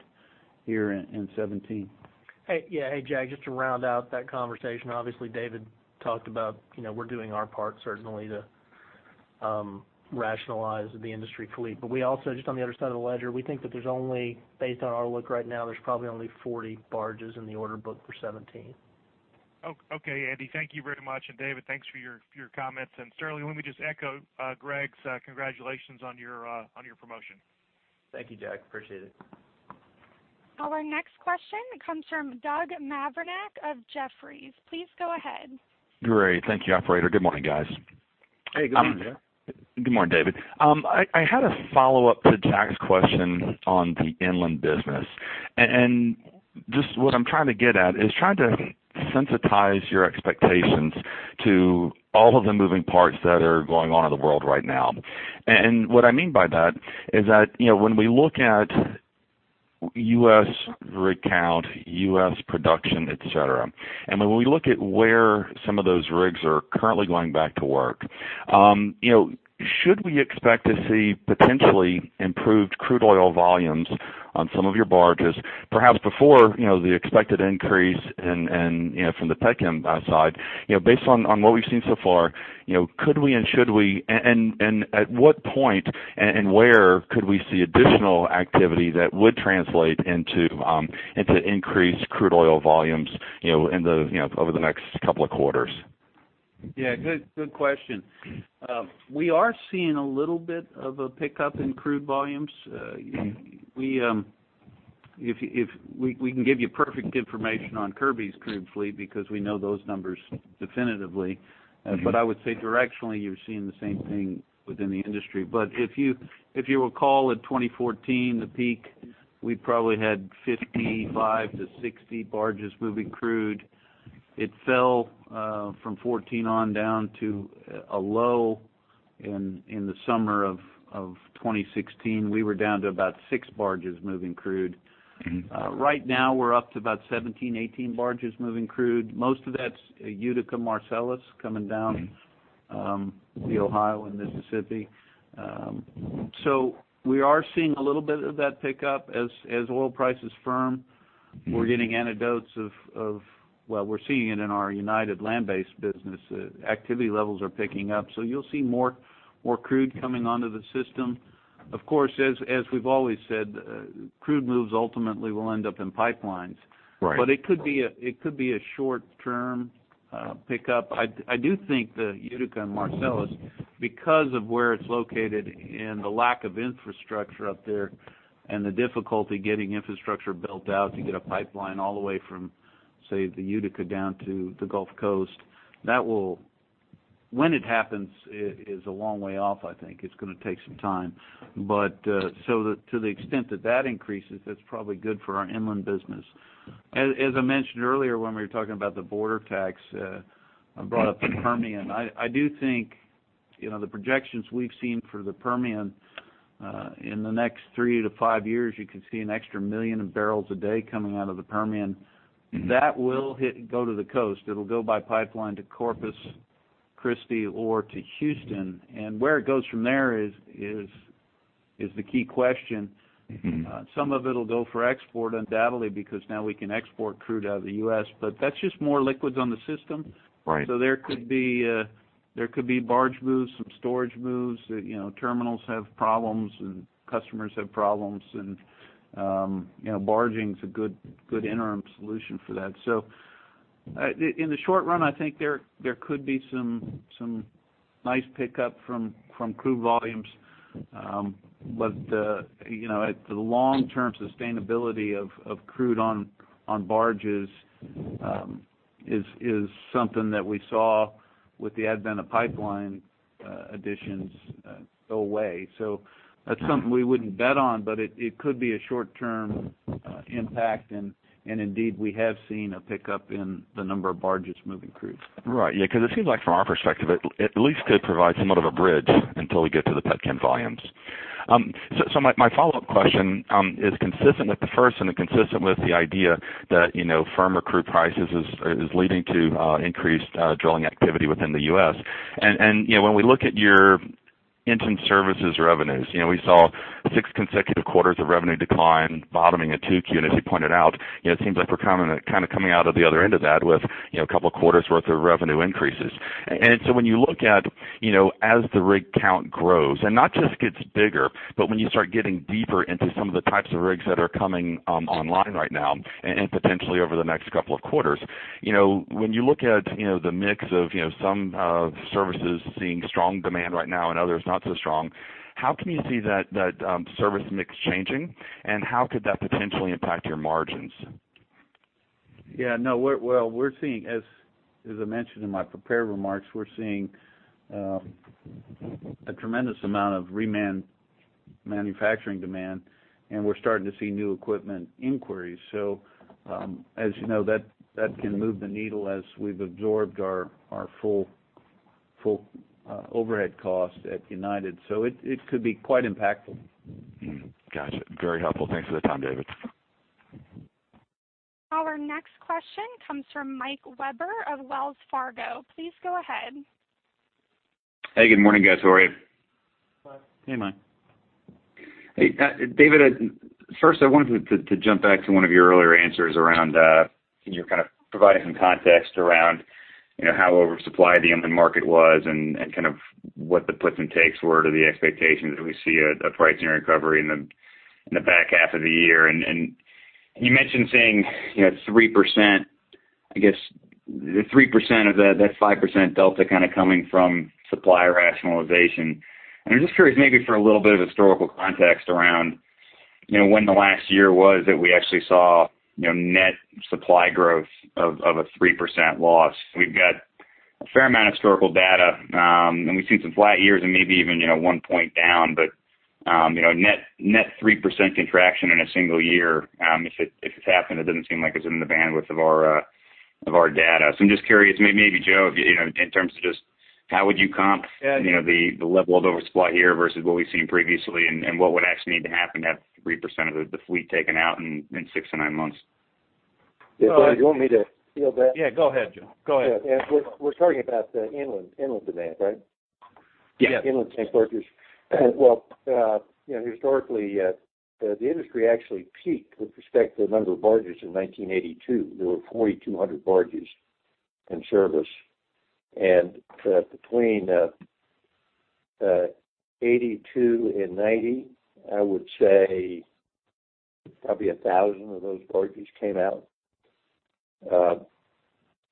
here in 2017. Hey, yeah. Hey, Jack, just to round out that conversation, obviously, David talked about, you know, we're doing our part certainly to rationalize the industry fleet. But we also, just on the other side of the ledger, we think that there's only, based on our look right now, there's probably only 40 barges in the order book for 2017. Okay, Andy, thank you very much. David, thanks for your comments. Sterling, let me just echo Greg's congratulations on your promotion. Thank you, Jack. Appreciate it. Our next question comes from Doug Mavrinac of Jefferies. Please go ahead. Great. Thank you, operator. Good morning, guys. Hey, good morning, Doug. Good morning, David. I had a follow-up to Jack's question on the inland business. And just what I'm trying to get at is trying to sensitize your expectations to all of the moving parts that are going on in the world right now. And what I mean by that is that, you know, when we look at U.S. rig count, U.S. production, et cetera, and when we look at where some of those rigs are currently going back to work, you know, should we expect to see potentially improved crude oil volumes on some of your barges, perhaps before, you know, the expected increase and, you know, from the pet chem side? You know, based on what we've seen so far, you know, could we and should we, and at what point and where could we see additional activity that would translate into increased crude oil volumes, you know, in the over the next couple of quarters? Yeah, good, good question. We are seeing a little bit of a pickup in crude volumes. If we can give you perfect information on Kirby's crude fleet because we know those numbers definitively. Mm-hmm. But I would say directionally, you're seeing the same thing within the industry. But if you recall, in 2014, the peak, we probably had 55-60 barges moving crude. It fell from 2014 on down to a low in the summer of 2016. We were down to about six barges moving crude. Mm-hmm. Right now, we're up to about 17, 18 barges moving crude. Most of that's Utica Marcellus coming down the Ohio and Mississippi. So we are seeing a little bit of that pick up as oil prices firm. Mm-hmm. We're getting anecdotes of... Well, we're seeing it in our United land-based business. Activity levels are picking up, so you'll see more crude coming onto the system. Of course, as we've always said, crude moves ultimately will end up in pipelines. Right. But it could be a short-term pickup. I do think the Utica and Marcellus, because of where it's located and the lack of infrastructure up there, and the difficulty getting infrastructure built out to get a pipeline all the way from, say, the Utica down to the Gulf Coast, that will, when it happens, it is a long way off I think. It's going to take some time. But so to the extent that that increases, that's probably good for our inland business. As I mentioned earlier, when we were talking about the border tax, I brought up the Permian. I do think, you know, the projections we've seen for the Permian, in the next three to five years, you could see an extra million of barrels a day coming out of the Permian. Mm-hmm. That will go to the coast. It'll go by pipeline to Corpus Christi or to Houston. And where it goes from there is the key question. Mm-hmm. Some of it'll go for export, undoubtedly, because now we can export crude out of the U.S., but that's just more liquids on the system. Right. So there could be barge moves, some storage moves, you know, terminals have problems and customers have problems, and, you know, barging is a good, good interim solution for that. So, in the short run, I think there could be some nice pickup from crude volumes. But, you know, at the long term, sustainability of crude on barges is something that we saw with the advent of pipeline additions go away. So that's something we wouldn't bet on, but it could be a short-term impact. And indeed, we have seen a pickup in the number of barges moving crude. Right. Yeah, because it seems like from our perspective, it at least could provide somewhat of a bridge until we get to the pet chem volumes. So my follow-up question is consistent with the first and consistent with the idea that, you know, firmer crude prices is leading to increased drilling activity within the U.S. And you know, when we look at your inland services revenues, you know, we saw six consecutive quarters of revenue decline, bottoming at 2Q, and as you pointed out, it seems like we're kind of coming out of the other end of that with, you know, a couple of quarters worth of revenue increases. And so when you look at, you know, as the rig count grows, and not just gets bigger, but when you start getting deeper into some of the types of rigs that are coming online right now and potentially over the next couple of quarters, you know, when you look at, you know, the mix of, you know, some services seeing strong demand right now and others not so strong, how can you see that service mix changing, and how could that potentially impact your margins? Yeah, no, we're well, we're seeing, as I mentioned in my prepared remarks, we're seeing a tremendous amount of remanufacturing demand, and we're starting to see new equipment inquiries. So, as you know, that can move the needle as we've absorbed our full overhead cost at United, so it could be quite impactful. Mm-hmm. Gotcha. Very helpful. Thanks for the time, David. Our next question comes from Mike Weber of Wells Fargo. Please go ahead.... Hey, good morning, guys. How are you? Hi. Hey, Mike. Hey, David, first, I wanted to jump back to one of your earlier answers around, you know, kind of providing some context around, you know, how oversupplied the inland market was and kind of what the puts and takes were to the expectations that we see a pricing recovery in the back half of the year. And you mentioned saying, you know, 3%, I guess the 3% of that 5% delta kind of coming from supplier rationalization. And I'm just curious, maybe for a little bit of historical context around, you know, when the last year was that we actually saw, you know, net supply growth of a 3% loss. We've got a fair amount of historical data, and we've seen some flat years and maybe even, you know, 1% down. But, you know, net-net 3% contraction in a single year, if it's happened, it doesn't seem like it's in the bandwidth of our data. So I'm just curious, maybe, Joe, if you, you know, in terms of just how would you comp, you know, the level of oversupply here versus what we've seen previously, and what would actually need to happen to have 3% of the fleet taken out in six to nine months? Yeah, do you want me to field that? Yeah, go ahead, Joe. Go ahead. Yeah, we're talking about the inland demand, right? Yes. Yes. Inland tank barges. Well, you know, historically, the industry actually peaked with respect to the number of barges in 1982. There were 4,200 barges in service. And, between 1982 and 1990, I would say, probably a thousand of those barges came out.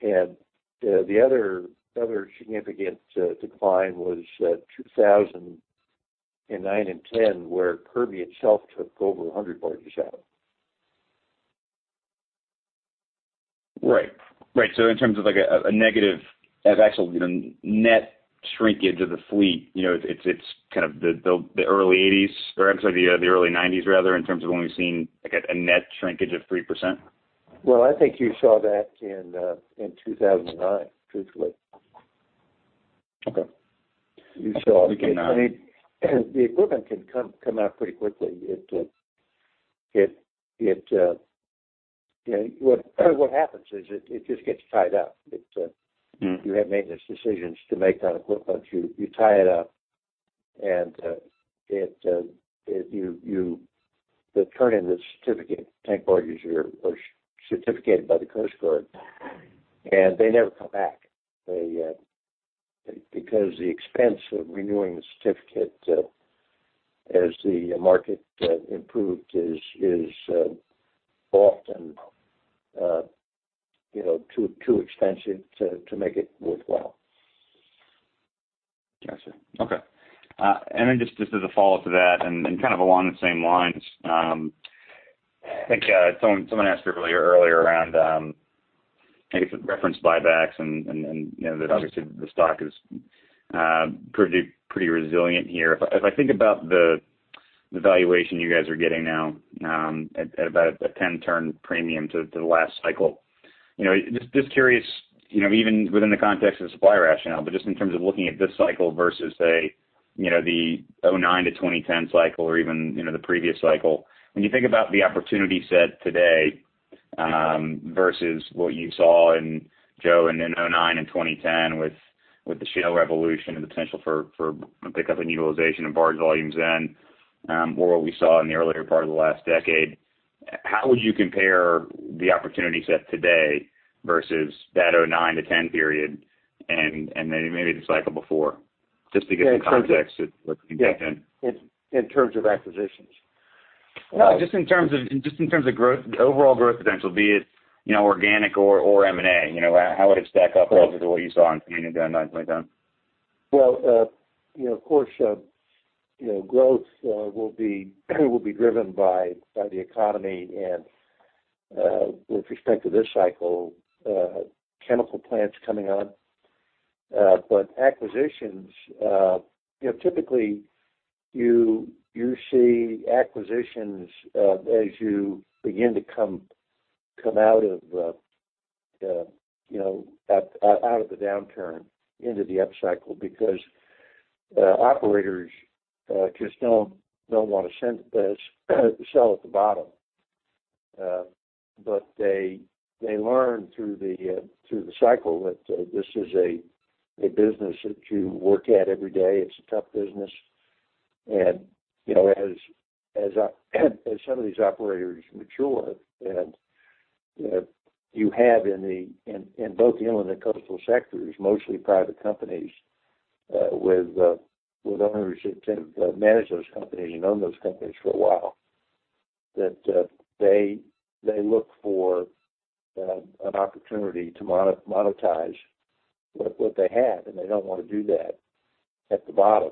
And, the other significant decline was 2009 and 2010, where Kirby itself took over a hundred barges out. Right. Right, so in terms of, like, an actual negative, you know, net shrinkage of the fleet, you know, it's kind of the early 1980s, or I'm sorry, the early 1990s rather, in terms of when we've seen, like, a net shrinkage of 3%? Well, I think you saw that in, in 2009, truthfully. Okay. You saw- We can, I mean, the equipment can come out pretty quickly. It, you know, what happens is it just gets tied up. Mm-hmm. You have maintenance decisions to make on equipment. You tie it up, and it—you turn in the certificate. Tank barges are certificated by the Coast Guard, and they never come back. They never come back because the expense of renewing the certificate as the market improved is often, you know, too expensive to make it worthwhile. Gotcha. Okay. And then just as a follow-up to that and kind of along the same lines, I think someone asked earlier around, I guess, reference buybacks and, you know, obviously the stock is pretty resilient here. If I think about the valuation you guys are getting now, at about a 10-turn premium to the last cycle, you know, just curious, you know, even within the context of supply rationale, but just in terms of looking at this cycle versus, say, you know, the 2009-2010 cycle or even, you know, the previous cycle. When you think about the opportunity set today, versus what you saw in 2009 and 2010 with the shale revolution and the potential for a pickup in utilization and barge volumes then, or what we saw in the earlier part of the last decade, how would you compare the opportunity set today versus that 2009 to 2010 period, and then maybe the cycle before? Just to get some context to what you think then. In terms of acquisitions? No, just in terms of, just in terms of growth, overall growth potential, be it, you know, organic or, or M&A. You know, how would it stack up relative to what you saw in 2009, 2010? Well, you know, of course, you know, growth will be driven by the economy and, with respect to this cycle, chemical plants coming on. But acquisitions, you know, typically, you see acquisitions as you begin to come out of the downturn into the upcycle because operators just don't want to send this, sell at the bottom. But they learn through the cycle that this is a business that you work at every day. It's a tough business. You know, as some of these operators mature, and you have in both the inland and coastal sectors, mostly private companies, with owners that can manage those companies and own those companies for a while, they look for an opportunity to monetize what they have, and they don't want to do that at the bottom.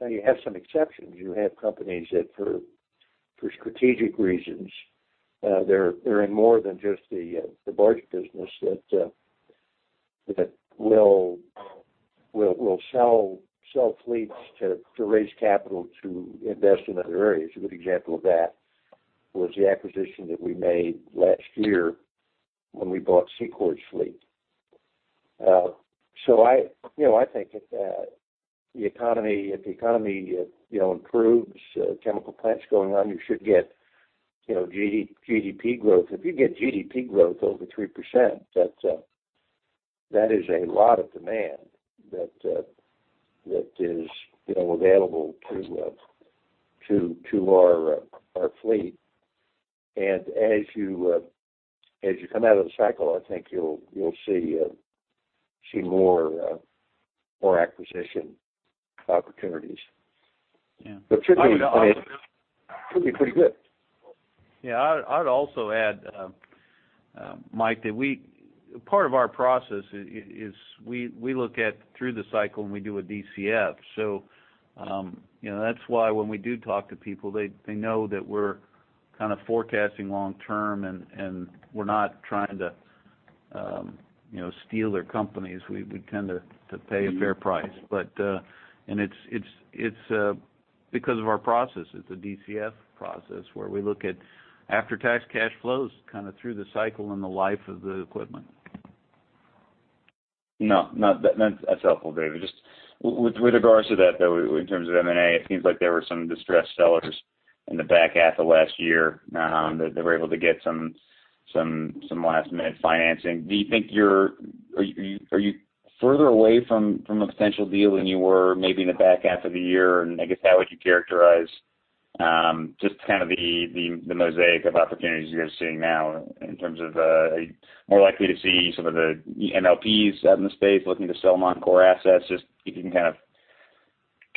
Now, you have some exceptions. You have companies that, for strategic reasons, they're in more than just the barge business, that will sell fleets to raise capital to invest in other areas. A good example of that was the acquisition that we made last year when we bought Seacor’s fleet. So I, you know, I think if the economy, if the economy, you know, improves, chemical plants going on, you should get you know, GDP growth, if you get GDP growth over 3%, that's, that is a lot of demand that, that is, you know, available to, to, to our, our fleet. And as you, as you come out of the cycle, I think you'll, you'll see, see more, more acquisition opportunities. Yeah. But typically, I mean, it could be pretty good. Yeah, I'd also add, Mike, that we, part of our process is we look at through the cycle, and we do a DCF. So, you know, that's why when we do talk to people, they know that we're kind of forecasting long term, and we're not trying to, you know, steal their companies. We tend to pay a fair price. But and it's because of our process. It's a DCF process, where we look at after-tax cash flows, kind of through the cycle and the life of the equipment. No, not that, that's helpful, David. Just with regards to that, though, in terms of M&A, it seems like there were some distressed sellers in the back half of last year that they were able to get some last-minute financing. Are you further away from a potential deal than you were maybe in the back half of the year? And I guess, how would you characterize just kind of the mosaic of opportunities you guys are seeing now in terms of more likely to see some of the MLPs out in the space looking to sell non-core assets? Just if you can kind of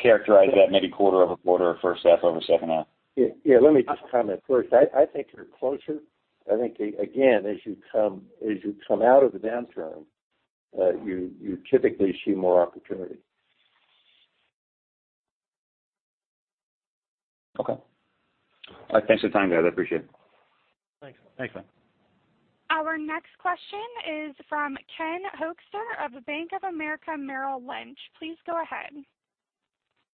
characterize that maybe quarter-over-quarter or first half over second half. Yeah, yeah. Let me just comment first. I think we're closer. I think, again, as you come out of the downturn, you typically see more opportunity. Okay. Thanks for the time, guys. I appreciate it. Thanks. Thanks, Mike. Our next question is from Ken Hoexter of Bank of America Merrill Lynch. Please go ahead.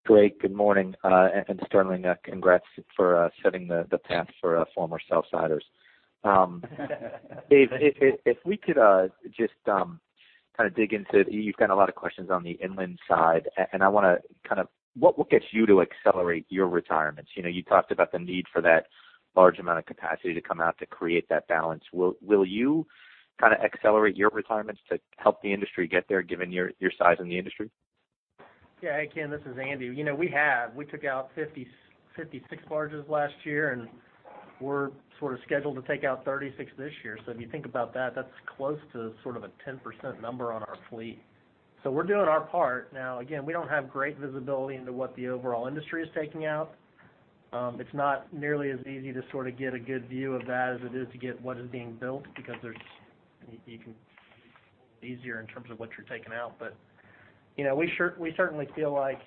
Great. Good morning, and Sterling, congrats for setting the path for former south siders. Dave, if we could just kind of dig into—you've got a lot of questions on the inland side, and I want to kind of—what will get you to accelerate your retirements? You know, you talked about the need for that large amount of capacity to come out to create that balance. Will you kind of accelerate your retirements to help the industry get there, given your size in the industry? Yeah. Hey, Ken, this is Andy. You know, we have. We took out 56-66 barges last year, and we're sort of scheduled to take out 36 this year. So if you think about that, that's close to sort of a 10% number on our fleet. So we're doing our part. Now, again, we don't have great visibility into what the overall industry is taking out. It's not nearly as easy to sort of get a good view of that as it is to get what is being built, because there's, you can easier in terms of what you're taking out. But, you know, we sure we certainly feel like,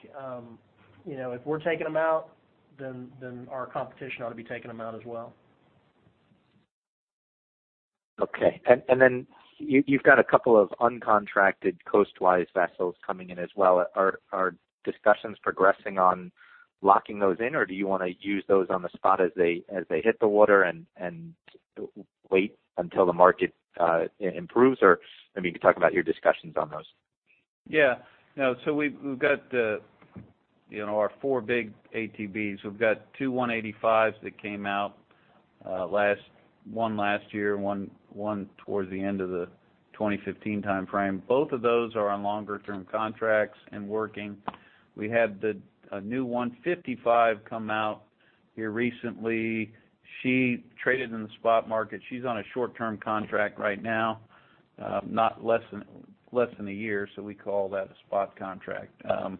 you know, if we're taking them out, then our competition ought to be taking them out as well. Okay. And then, you've got a couple of uncontracted coastwise vessels coming in as well. Are discussions progressing on locking those in, or do you want to use those on the spot as they hit the water and wait until the market improves? Or maybe you can talk about your discussions on those. Yeah. No, so we've got our four big ATBs. We've got two 185s that came out last—one last year, one towards the end of the 2015 timeframe. Both of those are on longer term contracts and working. We had a new 155 come out here recently. She traded in the spot market. She's on a short-term contract right now, not less than a year, so we call that a spot contract. Of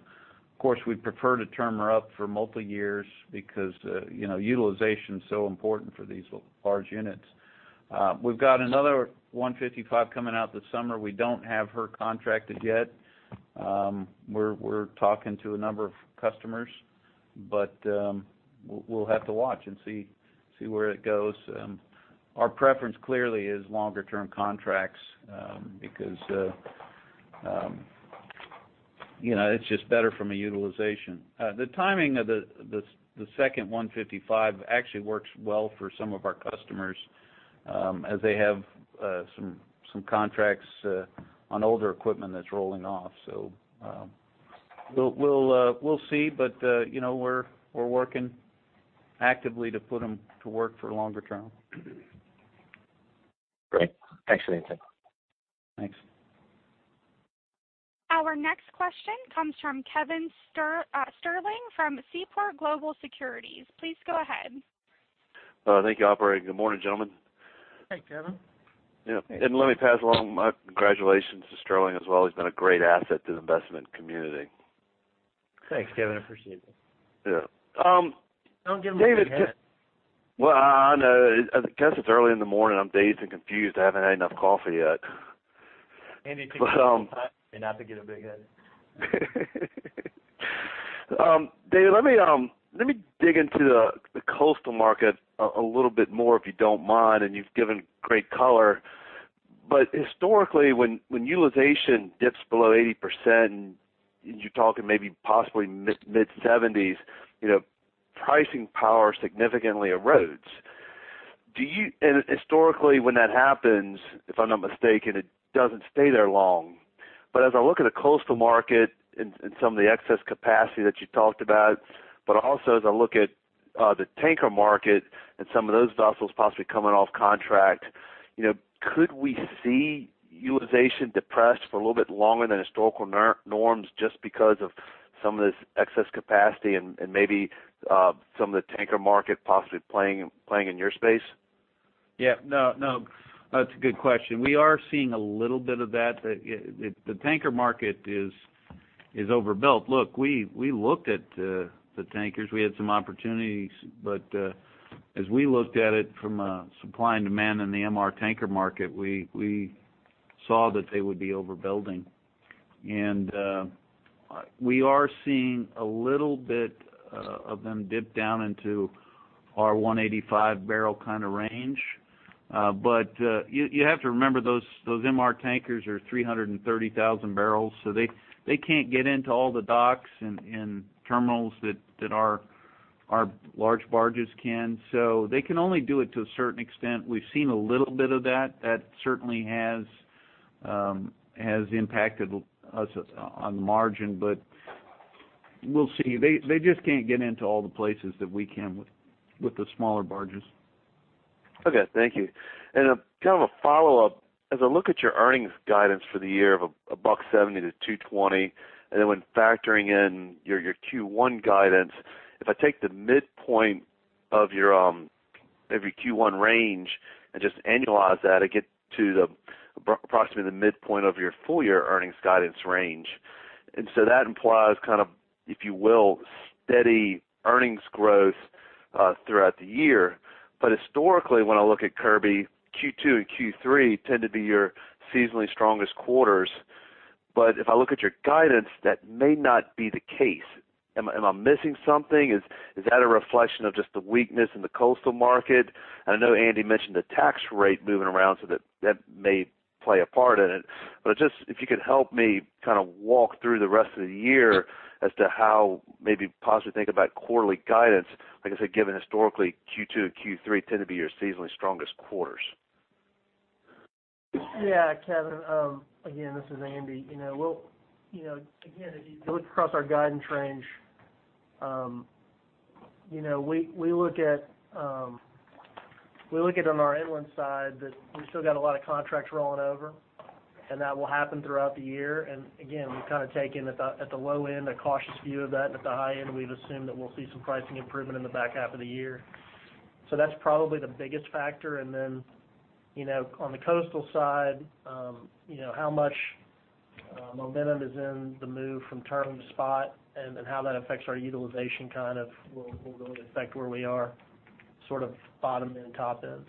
course, we'd prefer to term her up for multiple years because you know, utilization is so important for these large units. We've got another 155 coming out this summer. We don't have her contracted yet. We're talking to a number of customers, but we'll have to watch and see where it goes. Our preference clearly is longer term contracts, because, you know, it's just better from a utilization. The timing of the second 155 actually works well for some of our customers, as they have some contracts on older equipment that's rolling off. So, we'll see, but, you know, we're working actively to put them to work for longer term. Great. Thanks for the insight. Thanks. Our next question comes from Kevin Sterling from Seaport Global Securities. Please go ahead. Thank you, operator. Good morning, gentlemen. Hey, Kevin. Yeah, and let me pass along my congratulations to Sterling as well. He's been a great asset to the investment community. Thanks, Kevin, appreciate it. Yeah. Um- Don't give him a big head. Well, I know. I guess it's early in the morning, I'm dazed and confused. I haven't had enough coffee yet. Andy, take some time and not to get a big head. Dave, let me dig into the coastal market a little bit more, if you don't mind, and you've given great color. But historically, when utilization dips below 80%, and you're talking maybe possibly mid-70s, you know, pricing power significantly erodes. And historically, when that happens, if I'm not mistaken, it doesn't stay there long. But as I look at the coastal market and some of the excess capacity that you talked about, but also as I look at the tanker market and some of those vessels possibly coming off contract, you know, could we see utilization depressed for a little bit longer than historical norms just because of some of this excess capacity and maybe some of the tanker market possibly playing in your space? Yeah. No, no, that's a good question. We are seeing a little bit of that. The tanker market is overbuilt. Look, we looked at the tankers. We had some opportunities, but as we looked at it from a supply and demand in the MR tanker market, we saw that they would be overbuilding. And we are seeing a little bit of them dip down into our 185-barrel kind of range. But you have to remember, those MR tankers are 330,000 barrels, so they can't get into all the docks and terminals that our large barges can. So they can only do it to a certain extent. We've seen a little bit of that. That certainly has impacted us on the margin, but we'll see. They just can't get into all the places that we can with the smaller barges. Okay, thank you. And kind of a follow-up: as I look at your earnings guidance for the year of $1.70-$2.20, and then when factoring in your Q1 guidance, if I take the midpoint of your Q1 range and just annualize that, I get to the approximately the midpoint of your full year earnings guidance range. And so that implies kind of, if you will, steady earnings growth throughout the year. But historically, when I look at Kirby, Q2 and Q3 tend to be your seasonally strongest quarters. But if I look at your guidance, that may not be the case. Am I missing something? Is that a reflection of just the weakness in the coastal market? And I know Andy mentioned the tax rate moving around, so that may play a part in it. But just if you could help me kind of walk through the rest of the year as to how maybe possibly think about quarterly guidance. Like I said, given historically, Q2 and Q3 tend to be your seasonally strongest quarters. Yeah, Kevin, again, this is Andy. You know, again, if you look across our guidance range, you know, we look at on our inland side that we've still got a lot of contracts rolling over, and that will happen throughout the year. And again, we've kind of taken at the low end, a cautious view of that, and at the high end, we've assumed that we'll see some pricing improvement in the back half of the year. So that's probably the biggest factor. And then, you know, on the coastal side, you know, how much momentum is in the move from term to spot, and then how that affects our utilization kind of will really affect where we are, sort of bottom and top end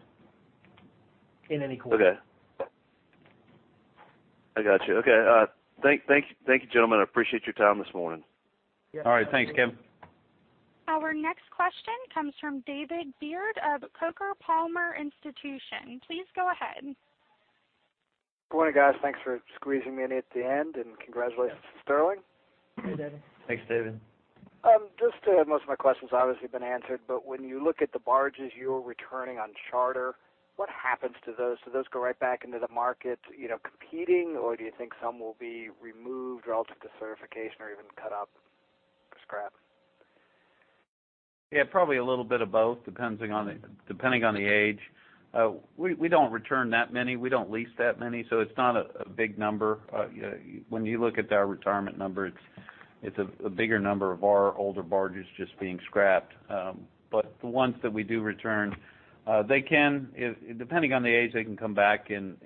in any quarter. Okay. I got you. Okay, thank you, thank you, gentlemen. I appreciate your time this morning. All right. Thanks, Kevin. Our next question comes from David Beard of Coker & Palmer Institutional. Please go ahead. Good morning, guys. Thanks for squeezing me in at the end, and congratulations to Sterling. Hey, David. Thanks, David. Just to, most of my questions obviously have been answered, but when you look at the barges you're returning on charter, what happens to those? Do those go right back into the market, you know, competing, or do you think some will be removed relative to certification or even cut up for scrap? Yeah, probably a little bit of both, depending on the age. We don't return that many. We don't lease that many, so it's not a big number. When you look at our retirement number, it's a bigger number of our older barges just being scrapped. But the ones that we do return, they can... Depending on the age, they can come back and,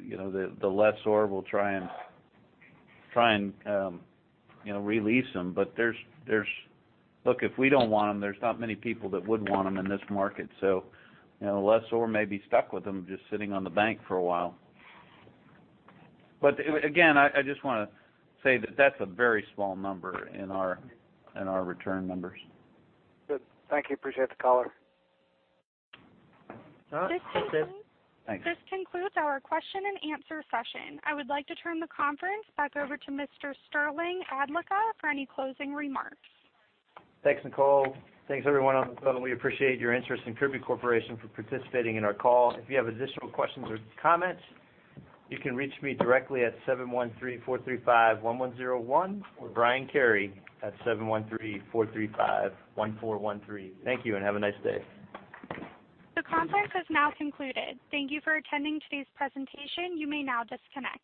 you know, the lessor will try and, you know, re-lease them. But there's -- look, if we don't want them, there's not many people that would want them in this market. So, you know, the lessor may be stuck with them, just sitting on the bank for a while. But again, I just wanna say that that's a very small number in our return numbers. Good. Thank you. Appreciate the call. All right. Thanks, David. Thanks. This concludes our question and answer session. I would like to turn the conference back over to Mr. Sterling Adlakha for any closing remarks. Thanks, Nicole. Thanks, everyone, on the phone. We appreciate your interest in Kirby Corporation for participating in our call. If you have additional questions or comments, you can reach me directly at 713-435-1101, or Brian Carey at 713-435-1413. Thank you, and have a nice day. The conference has now concluded. Thank you for attending today's presentation. You may now disconnect.